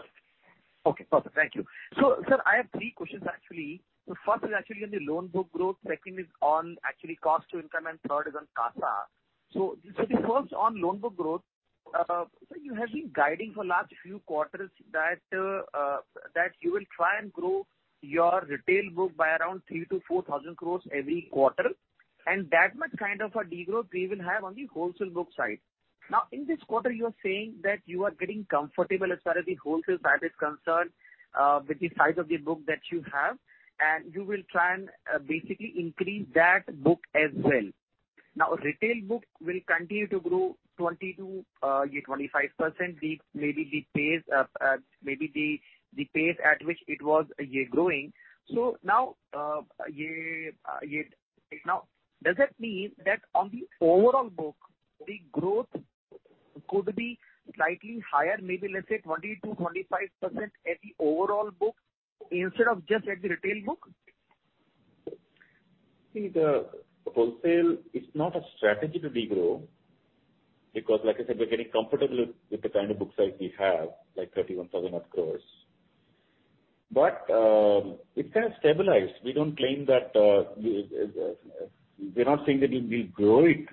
Okay. Perfect. Thank you. Sir, I have three questions actually. The first is actually on the loan book growth, second is on actually cost to income, and third is on CASA. The first on loan book growth. You have been guiding for last few quarters that you will try and grow your retail book by around 3,000-4,000 crore every quarter, and that much kind of a de-growth we will have on the wholesale book side. Now, in this quarter, you are saying that you are getting comfortable as far as the wholesale side is concerned, with the size of the book that you have, and you will try and basically increase that book as well. Now, retail book will continue to grow 20%-25%. Maybe the pace at which it was growing. Now, does that mean that on the overall book, the growth could be slightly higher, maybe let's say 20%-25% at the overall book instead of just at the retail book? See, the wholesale is not a strategy to de-grow, because like I said, we're getting comfortable with the kind of book size we have, like 31,000 crore. It's kind of stabilized. We don't claim that we're not saying that we'll de-grow it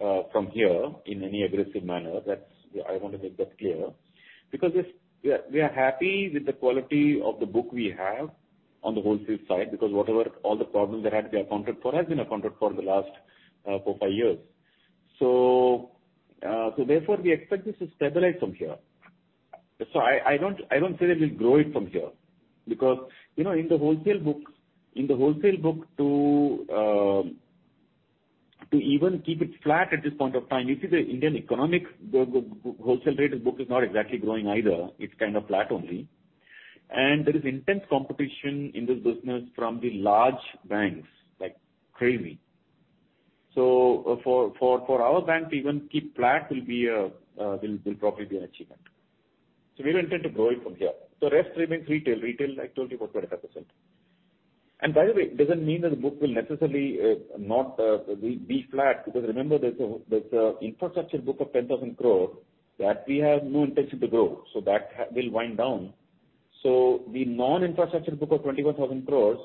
from here in any aggressive manner. That's. I want to make that clear. We are happy with the quality of the book we have on the wholesale side because whatever all the problems that had to be accounted for has been accounted for in the last four, five years. Therefore, we expect this to stabilize from here. I don't say that we'll grow it from here because, you know, in the wholesale book to even keep it flat at this point of time, if you see the Indian economy's wholesale rated book is not exactly growing either. It's kind of flat only. There is intense competition in this business from the large banks, like crazy. For our bank to even keep flat will probably be an achievement. We don't intend to grow it from here. Rest remains retail. Retail, like I told you, about 25%. By the way, it doesn't mean that the book will necessarily not be flat, because remember, there's an infrastructure book of 10,000 crore that we have no intention to grow, so that will wind down. The non-infrastructure book of 21,000 crores,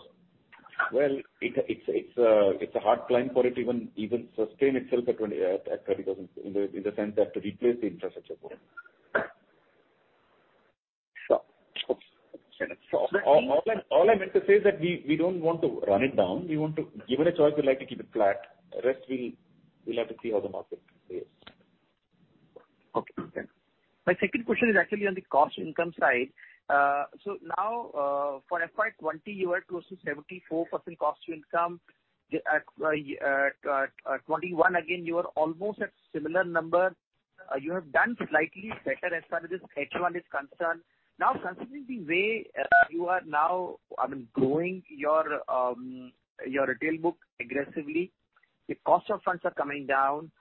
well, it's a hard climb for it to even sustain itself at 30,000 in the sense that to replace the infrastructure book. Of course. All I meant to say is that we don't want to run it down. We want to. Given a choice, we'd like to keep it flat. The rest we'll have to see how the market behaves. Okay. My second question is actually on the cost to income side. So now, for FY 2020, you were close to 74% cost to income. At 2021, again, you are almost at similar number. You have done slightly better as far as this H1 is concerned. Now, considering the way you are now, I mean, growing your retail book aggressively, the cost of funds are coming down,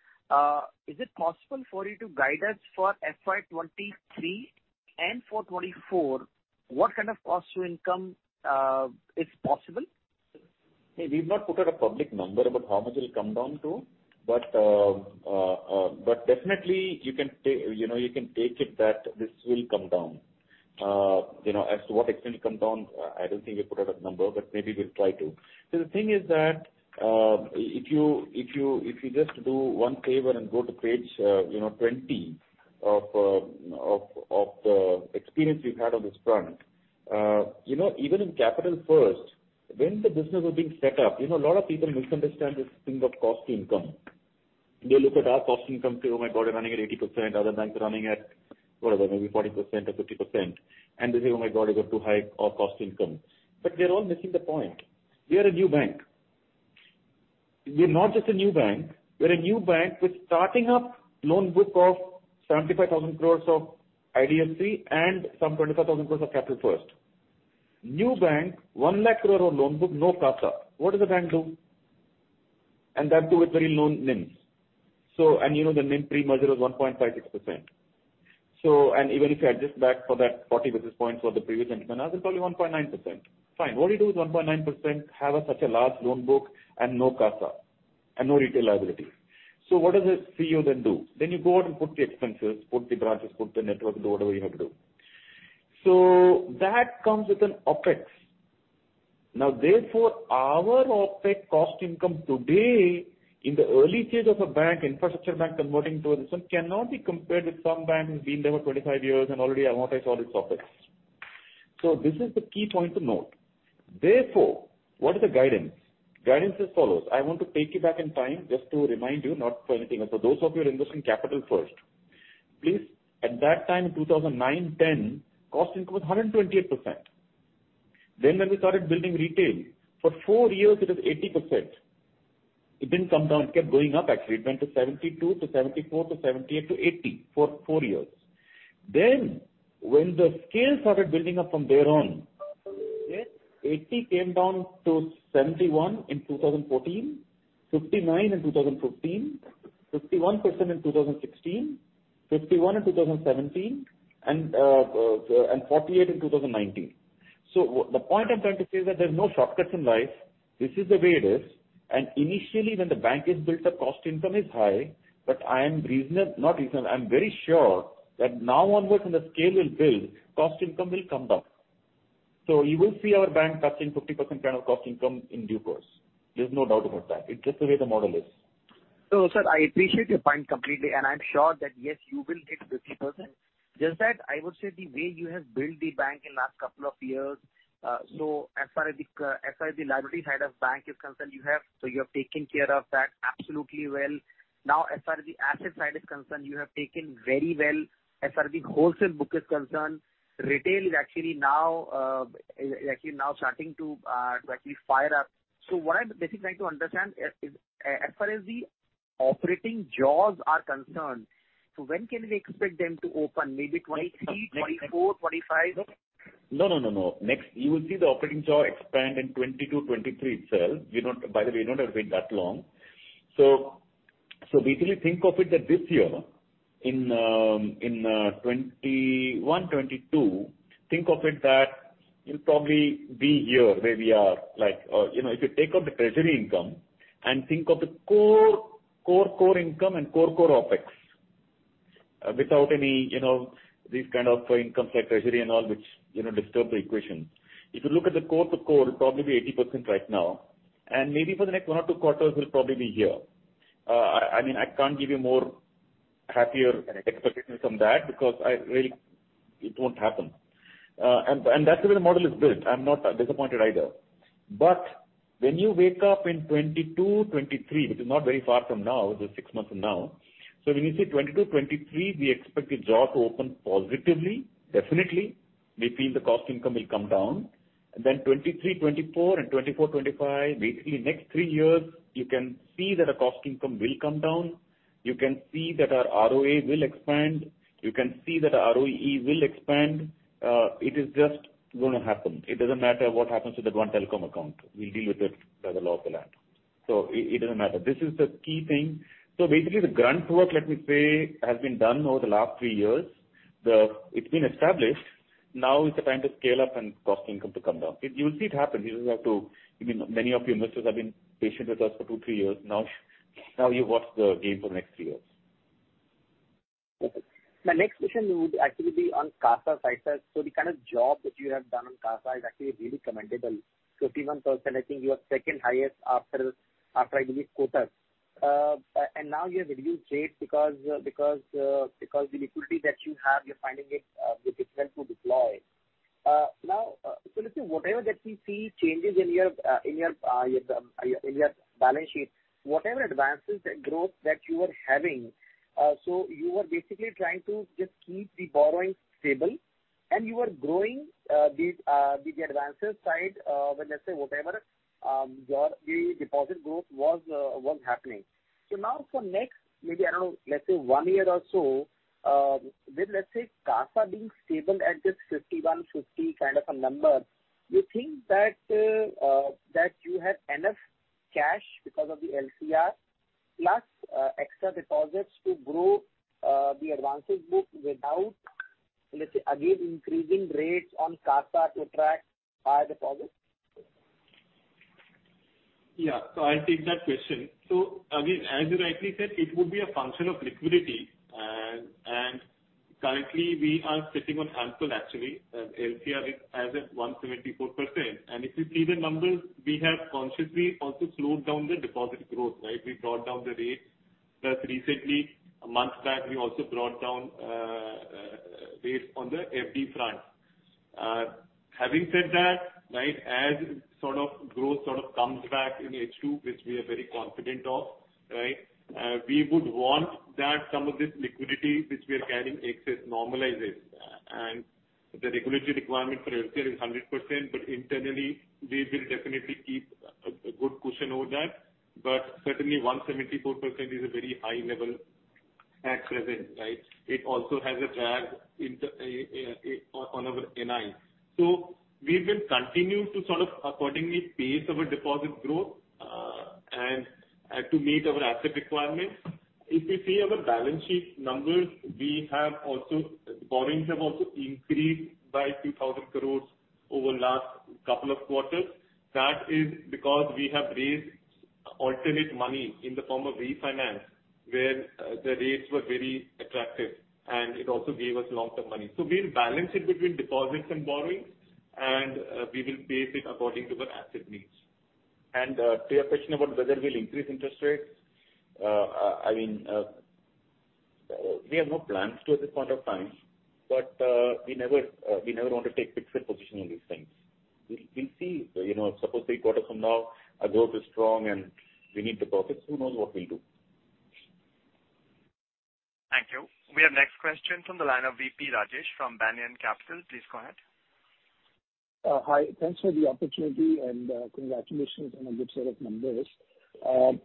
is it possible for you to guide us for FY 2023 and for 2024, what kind of cost to income is possible? We've not put out a public number about how much it'll come down to, but definitely you can take it that this will come down. You know, as to what extent it comes down, I don't think we put out a number, but maybe we'll try to. The thing is that, if you just do one favor and go to page 20 of experience we've had on this front, you know, even in Capital First, when the business was being set up, you know, a lot of people misunderstand this thing of cost to income. They look at our cost income, say, oh my God, we're running at 80%, other banks are running at, whatever, maybe 40% or 50%. They say, oh my God, you have too high a cost to income. They're all missing the point. We are a new bank. We're not just a new bank. We're a new bank with starting up loan book of 75,000 crores of IDFC and some 25,000 crores of Capital First. New bank, 1 lakh crore on loan book, no CASA. What does a bank do? That too with very low NIMs. You know, the NIM pre-merger was 1.56%. Even if you adjust back for that 40 basis points for the previous regime, it's only 1.9%. Fine. What do you do with 1.9%, such a large loan book and no CASA and no retail liability? What does a CEO then do? You go out and put the expenses, put the branches, put the network, do whatever you have to do. That comes with an OpEx. Our opex cost income today in the early stage of a bank, infrastructure bank converting to this one cannot be compared with some bank who's been there for 25 years and already amortized all its OpEx. This is the key point to note. What is the guidance? Guidance as follows. I want to take you back in time just to remind you not for anything else. Those of you who are investing Capital First, please, at that time in 2009-2010, cost income was 128%. When we started building retail, for four years it was 80%. It didn't come down. It kept going up, actually. It went to 72% to 74% to 78% to 80% for four years. When the scale started building up from there on, yes, 80% came down to 71% in 2014, 59% in 2015, 51% in 2016, 51% in 2017 and 48% in 2019. The point I'm trying to say is that there's no shortcuts in life. This is the way it is. Initially, when the bank is built, the cost income is high, but I'm very sure that now onwards when the scale will build, cost income will come down. You will see our bank touching 50% kind of cost income in due course. There's no doubt about that. It's just the way the model is. Sir, I appreciate your point completely, and I'm sure that, yes, you will hit 50%. Just that I would say the way you have built the bank in last couple of years, as far as the liability side of the bank is concerned, you have taken care of that absolutely well. Now, as far as the asset side is concerned, you have taken very well. As far as the wholesale book is concerned, retail is actually now starting to fire up. What I'm basically trying to understand is, as far as the operating jaws are concerned, when can we expect them to open? Maybe 2023, 2024, 2025? No. Next, you will see the operating jaw expand in 2022, 2023 itself. By the way, you don't have to wait that long. Basically think of it that this year in 2021, 2022, think of it that you'll probably be here where we are. Like, you know, if you take out the treasury income and think of the core income and core OpEx without any, you know, these kind of incomes like treasury and all which, you know, disturb the equation. If you look at the core to core, it'll probably be 80% right now. Maybe for the next one or two quarters, we'll probably be here. I mean, I can't give you more happier kind of expectations from that because I really it won't happen. That's the way the model is built. I'm not disappointed either. When you wake up in 2022, 2023, which is not very far from now, just six months from now, so when you say 2022, 2023, we expect the gap to open positively, definitely. We feel the cost income will come down. 2023, 2024 and 2025, basically next three years, you can see that the cost income will come down. You can see that our ROA will expand. You can see that our ROE will expand. It is just gonna happen. It doesn't matter what happens to that one telecom account. We'll deal with it by the law of the land. It doesn't matter. This is the key thing. Basically, the groundwork, let me say, has been done over the last three years. It's been established. Now is the time to scale up and cost income to come down. You'll see it happen. You just have to, I mean, many of your investors have been patient with us for two, three years now. Now you watch the game for the next three years. Okay. My next question would actually be on CASA side. The kind of job that you have done on CASA is actually really commendable. 51%, I think you are second highest after I believe Kotak. And now you have reduced rates because the liquidity that you have, you're finding it difficult to deploy. Now let's say whatever that we see changes in your in your balance sheet, whatever advances and growth that you are having, you are basically trying to just keep the borrowing stable and you are growing the advances side, when let's say whatever your the deposit growth was happening. Now for next, maybe around, let's say one year or so, with, let's say, CASA being stable at this 51%-50% kind of a number, do you think that you have enough cash because of the LCR, plus, extra deposits to grow the advances book without, let's say, again, increasing rates on CASA to attract higher deposits? I'll take that question. Again, as you rightly said, it would be a function of liquidity. Currently, we are sitting on handful actually. LCR is at 174%. If you see the numbers, we have consciously also slowed down the deposit growth, right? We brought down the rates. Plus recently, a month back, we also brought down rates on the FD front. Having said that, right, as sort of growth sort of comes back in H2, which we are very confident of, right, we would want that some of this liquidity which we are carrying excess normalizes. The regulatory requirement for LCR is 100%, but internally, we will definitely keep a good cushion over that. Certainly, 174% is a very high level at present, right? It also has a drag on our NI. We will continue to sort of accordingly pace our deposit growth and to meet our asset requirements. If you see our balance sheet numbers, our borrowings have also increased by 2,000 crores over last couple of quarters. That is because we have raised alternative money in the form of refinance where the rates were very attractive, and it also gave us long-term money. We're balancing between deposits and borrowings, and we will pace it according to our asset needs. To your question about whether we'll increase interest rates, I mean, we have no plans to at this point of time, but we never want to take fixed position on these things. We'll see. You know, suppose three quarters from now our growth is strong and we need the profits, who knows what we'll do. Thank you. We have next question from the line of V.P. Rajesh from Banyan Capital. Please go ahead. Hi. Thanks for the opportunity and, congratulations on a good set of numbers.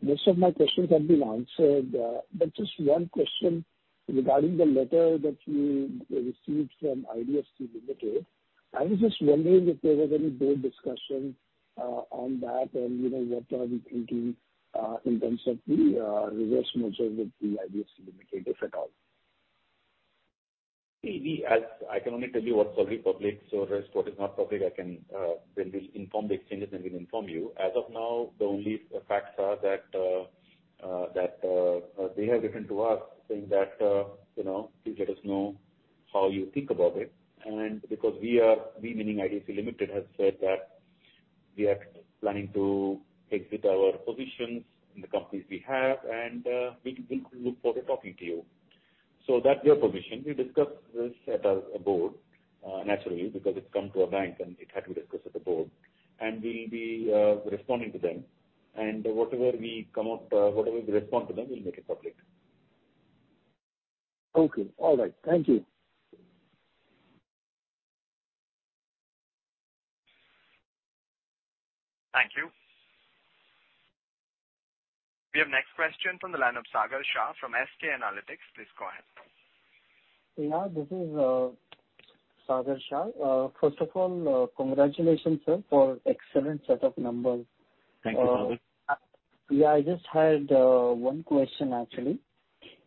Most of my questions have been answered, but just one question regarding the letter that you received from IDFC Limited. I was just wondering if there was any board discussion on that and, you know, what are you thinking in terms of the reversal also with the IDFC Limited, if at all? As I can only tell you what's already public. The rest what is not public, I can, when we inform the exchanges then we'll inform you. As of now, the only facts are that they have written to us saying that, you know, please let us know how you think about it. Because we are, we meaning IDFC Limited, have said that we are planning to exit our positions in the companies we have and we look forward to talking to you. That's their position. We discussed this at a board naturally because it's come to a bank and it had to be discussed with the board. We'll be responding to them. Whatever we come up, whatever we respond to them, we'll make it public. Okay. All right. Thank you. Thank you. We have next question from the line of Sagar Shah from SK Analytics. Please go ahead. Yeah, this is Sagar Shah. First of all, congratulations, sir, for excellent set of numbers. Thank you, Sagar. Yeah, I just had one question actually.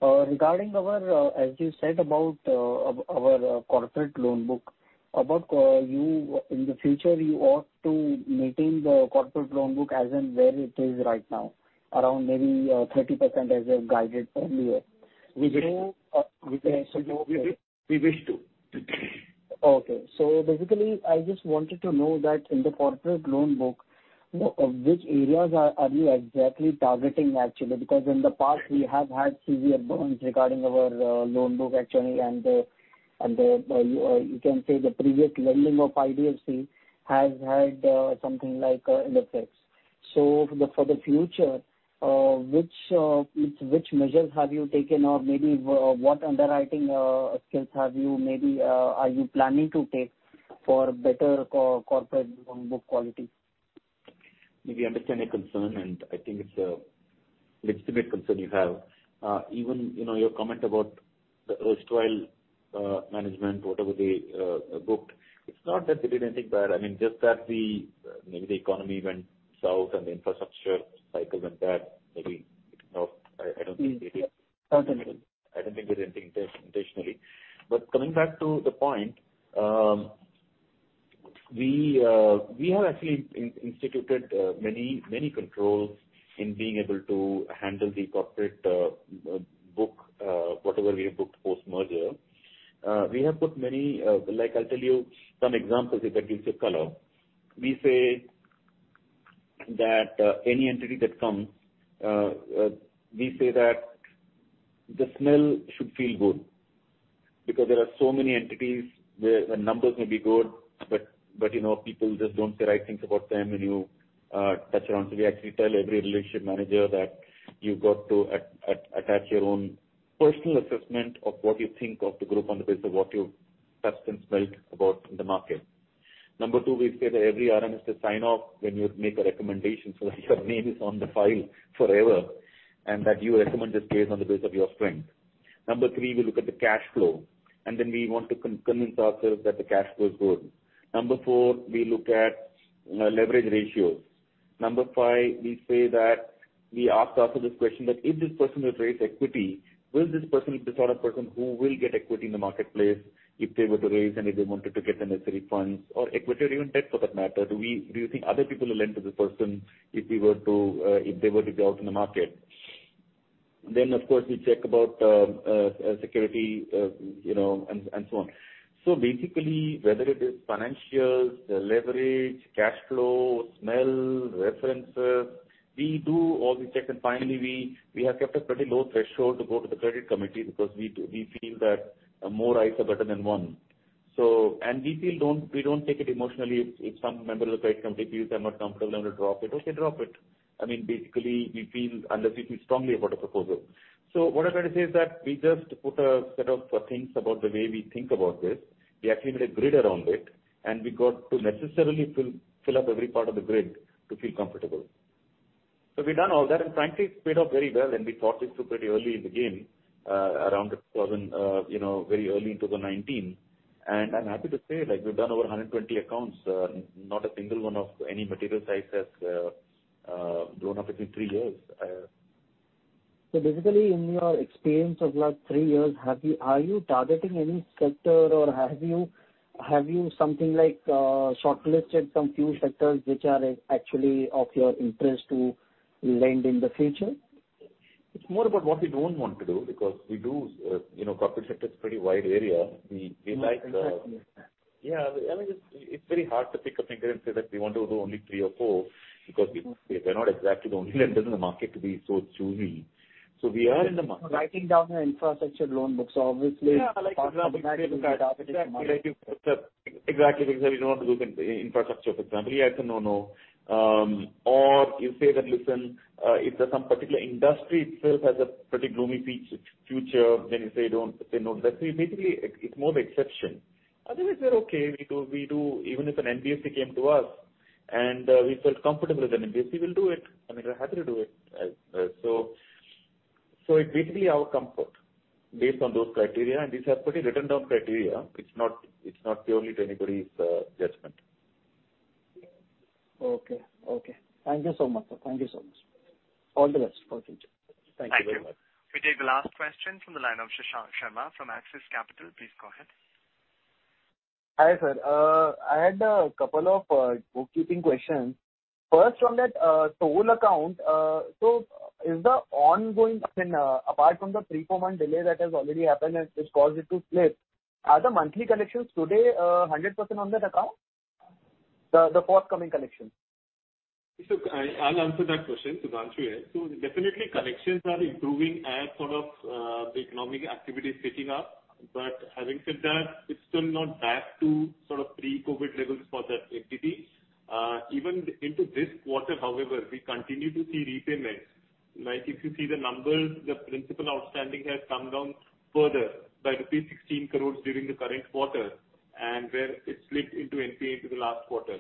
Regarding our, as you said about our corporate loan book, about you in the future you ought to maintain the corporate loan book as in where it is right now, around maybe 30% as you have guided earlier. We know- We wish. Okay. We wish to. Okay. Basically, I just wanted to know that in the corporate loan book, which areas are you exactly targeting actually? Because in the past we have had severe burns regarding our loan book actually, and you can say the previous lending of IDFC has had something like ill effects. For the future, which measures have you taken or what underwriting skills are you planning to take for better corporate loan book quality? We understand your concern, and I think it's a legitimate concern you have. Even, you know, your comment about the erstwhile management, whatever they booked, it's not that they did anything bad. I mean, just that maybe the economy went south and the infrastructure cycle went bad. Maybe it's not. I don't think they did. Understood. I don't think they did anything intentionally. Coming back to the point, we have actually instituted many controls in being able to handle the corporate book, whatever we have booked post-merger. We have put many, like I'll tell you some examples if that gives you color. We say that any entity that comes, we say that the smell should feel good because there are so many entities where the numbers may be good, but you know, people just don't say right things about them when you touch around. We actually tell every relationship manager that you've got to attach your own personal assessment of what you think of the group on the basis of what your substance smelt about in the market. Number two, we say that every RM has to sign off when you make a recommendation so that your name is on the file forever, and that you recommend this case on the basis of your strength. Number three, we look at the cash flow, and then we want to convince ourselves that the cash flow is good. Number four, we look at leverage ratios. Number four, we say that we ask ourselves this question, that if this person will raise equity, will this person be the sort of person who will get equity in the marketplace if they were to raise and if they wanted to get the necessary funds or equity or even debt for that matter? Do we, do you think other people will lend to this person if we were to, if they were to go out in the market? Of course we check about security, you know, and so on. Basically, whether it is financials, the leverage, cash flow, smell, references, we do all the checks and finally we have kept a pretty low threshold to go to the credit committee because we feel that more eyes are better than one. We feel we don't take it emotionally if some member of the credit committee feels I'm not comfortable, I'm gonna drop it. Okay, drop it. I mean, basically we feel unless we feel strongly about a proposal. What I'm trying to say is that we just put a set of things about the way we think about this. We actually made a grid around it, and we got to necessarily fill up every part of the grid to feel comfortable. We've done all that, and frankly, it's paid off very well and we thought this through pretty early in the game, around very early in 2019. I'm happy to say, like, we've done over 120 accounts. Not a single one of any material size has blown up between three years. Basically, in your experience of last three years, are you targeting any sector or have you something like shortlisted some few sectors which are actually of your interest to lend in the future? It's more about what we don't want to do because we do, you know, corporate sector is pretty wide area. We like Exactly, yeah. Yeah. I mean, it's very hard to pick a finger and say that we want to do only three or four because we're not exactly the only lenders in the market to be so choosy. We are in the market. Writing down the infrastructure loan books, obviously. Yeah. Like, for example, say that. Part of that will be targeted some other. Exactly. Exactly, because we don't have to do in infrastructure, for example. Yeah, it's a no-no. Or you say that, listen, if there's some particular industry itself has a pretty gloomy future, then you say no to that. Basically it's more the exception. Otherwise, we're okay. We do. Even if an NBFC came to us and we felt comfortable with an NBFC, we'll do it. I mean, we're happy to do it. It's basically our comfort based on those criteria, and these are pretty written down criteria. It's not purely to anybody's judgment. Okay. Thank you so much, sir. All the best for the future. Thank you very much. Thank you. We take the last question from the line of Shashank Sharma from Axis Capital. Please go ahead. Hi, sir. I had a couple of bookkeeping questions. First, from that toll account. Is the ongoing, I mean, apart from the three, four month delay that has already happened and which caused it to slip, are the monthly collections today 100% on that account? The forthcoming collections. I'll answer that question. Sudhanshu here. Definitely collections are improving as sort of the economic activity is picking up. But having said that, it's still not back to sort of pre-COVID levels for that entity. Even into this quarter, however, we continue to see repayments. Like if you see the numbers, the principal outstanding has come down further by rupees 16 crore during the current quarter and where it slipped into NPA into the last quarter.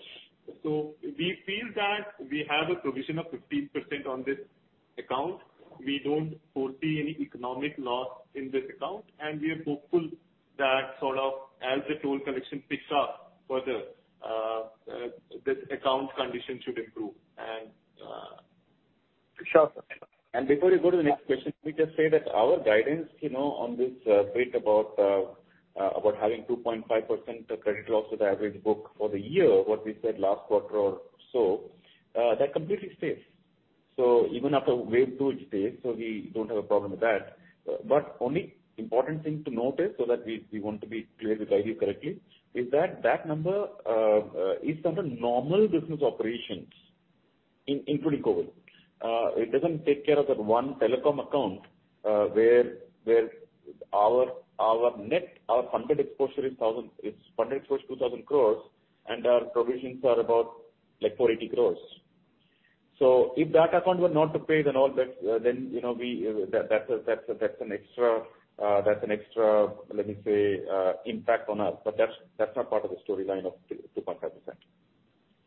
We feel that we have a provision of 15% on this account. We don't foresee any economic loss in this account. We are hopeful that sort of as the toll collection picks up further, this account condition should improve and Shashank. Before you go to the next question, let me just say that our guidance, you know, on this bit about having 2.5% credit loss with average book for the year, what we said last quarter or so, that completely stays. Even after wave two, it stays. We don't have a problem with that. But the only important thing to note is that we want to get this idea correctly, is that number is under normal business operations including COVID. It doesn't take care of that one telecom account where our funded exposure is 2,000 crore and our provisions are about 480 crore. If that account were not to pay, that's an extra, let me say, impact on us. That's not part of the storyline of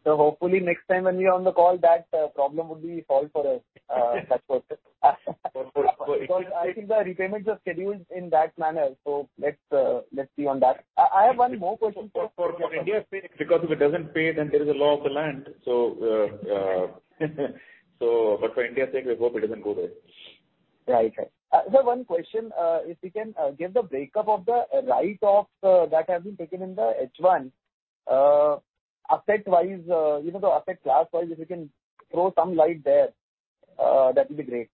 2%-2.5%. Hopefully next time when you're on the call that problem would be solved for us, that's for sure. For India's sake. Because I think the repayments are scheduled in that manner. Let's see on that. I have one more question for- For India's sake, because if it doesn't pay then there is a law of the land. For India's sake, we hope it doesn't go there. Right. Sir, one question. If you can give the breakup of the write-offs that have been taken in the H1, asset-wise, you know, the asset class-wise, if you can throw some light there, that will be great.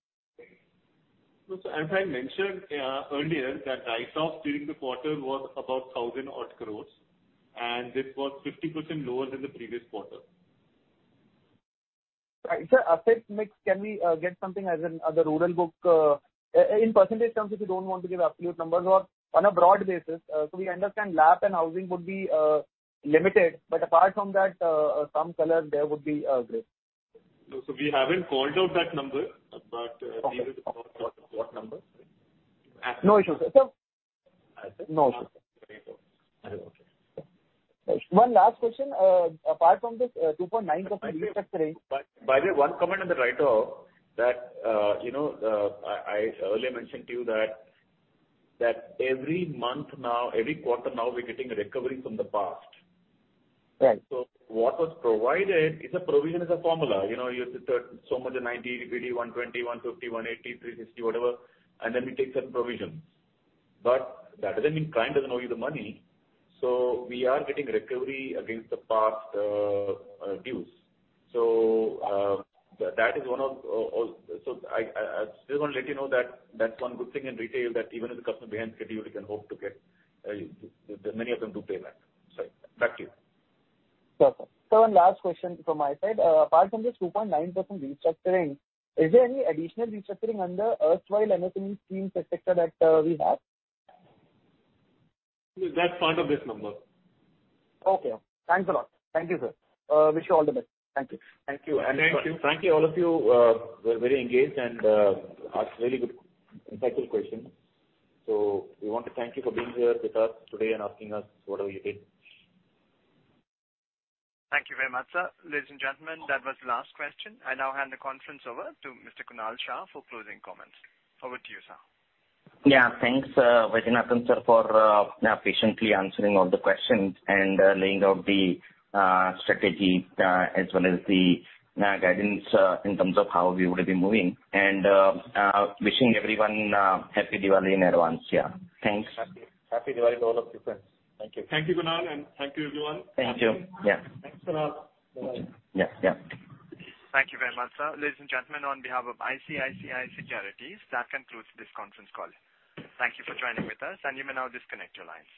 As I mentioned, yeah, earlier, that write-off during the quarter was about 1,000-odd crore and this was 50% lower than the previous quarter. Right. Sir, asset mix, can we get something as in, as a rural book, in percentage terms, if you don't want to give absolute numbers or on a broad basis, so we understand LAP and housing would be limited, but apart from that, some color there would be great. No. We haven't called out that number, but. Okay. These are the target numbers. No issue, sir. Asset. No issue. Very well. Okay. One last question. Apart from this, 2.9% restructuring. By the way, one comment on the write-off that you know I earlier mentioned to you that every month now, every quarter now we're getting a recovery from the past. Right. What was provided is a provision as a formula. You know, you said so much in 90, 80, 120, 150, 180, 360, whatever, and then we take certain provisions. But that doesn't mean client doesn't owe you the money. We are getting recovery against the past dues. I just want to let you know that that's one good thing in retail that even if the customer is behind schedule, you can hope to get many of them do pay back. Back to you. Perfect. Sir, one last question from my side. Apart from this 2.9% restructuring, is there any additional restructuring under RBI MSME scheme sector that we have? That's part of this number. Okay. Thanks a lot. Thank you, sir. Wish you all the best. Thank you. Thank you. Frankly, all of you were very engaged and asked really good, insightful questions. We want to thank you for being here with us today and asking us whatever you did. Thank you very much, sir. Ladies and gentlemen, that was the last question. I now hand the conference over to Mr. Kunal Shah for closing comments. Over to you, sir. Yeah, thanks, Vaidyanathan, sir, for patiently answering all the questions and laying out the strategy as well as the guidance in terms of how we would be moving. Wishing everyone Happy Diwali in advance, yeah. Thanks. Happy Diwali to all of you, friends. Thank you. Thank you, Kunal, and thank you, everyone. Thank you. Yeah. Thanks Kunal. Bye-bye. Yeah, yeah. Thank you very much, sir. Ladies and gentlemen, on behalf of ICICI Securities, that concludes this conference call. Thank you for joining with us and you may now disconnect your line.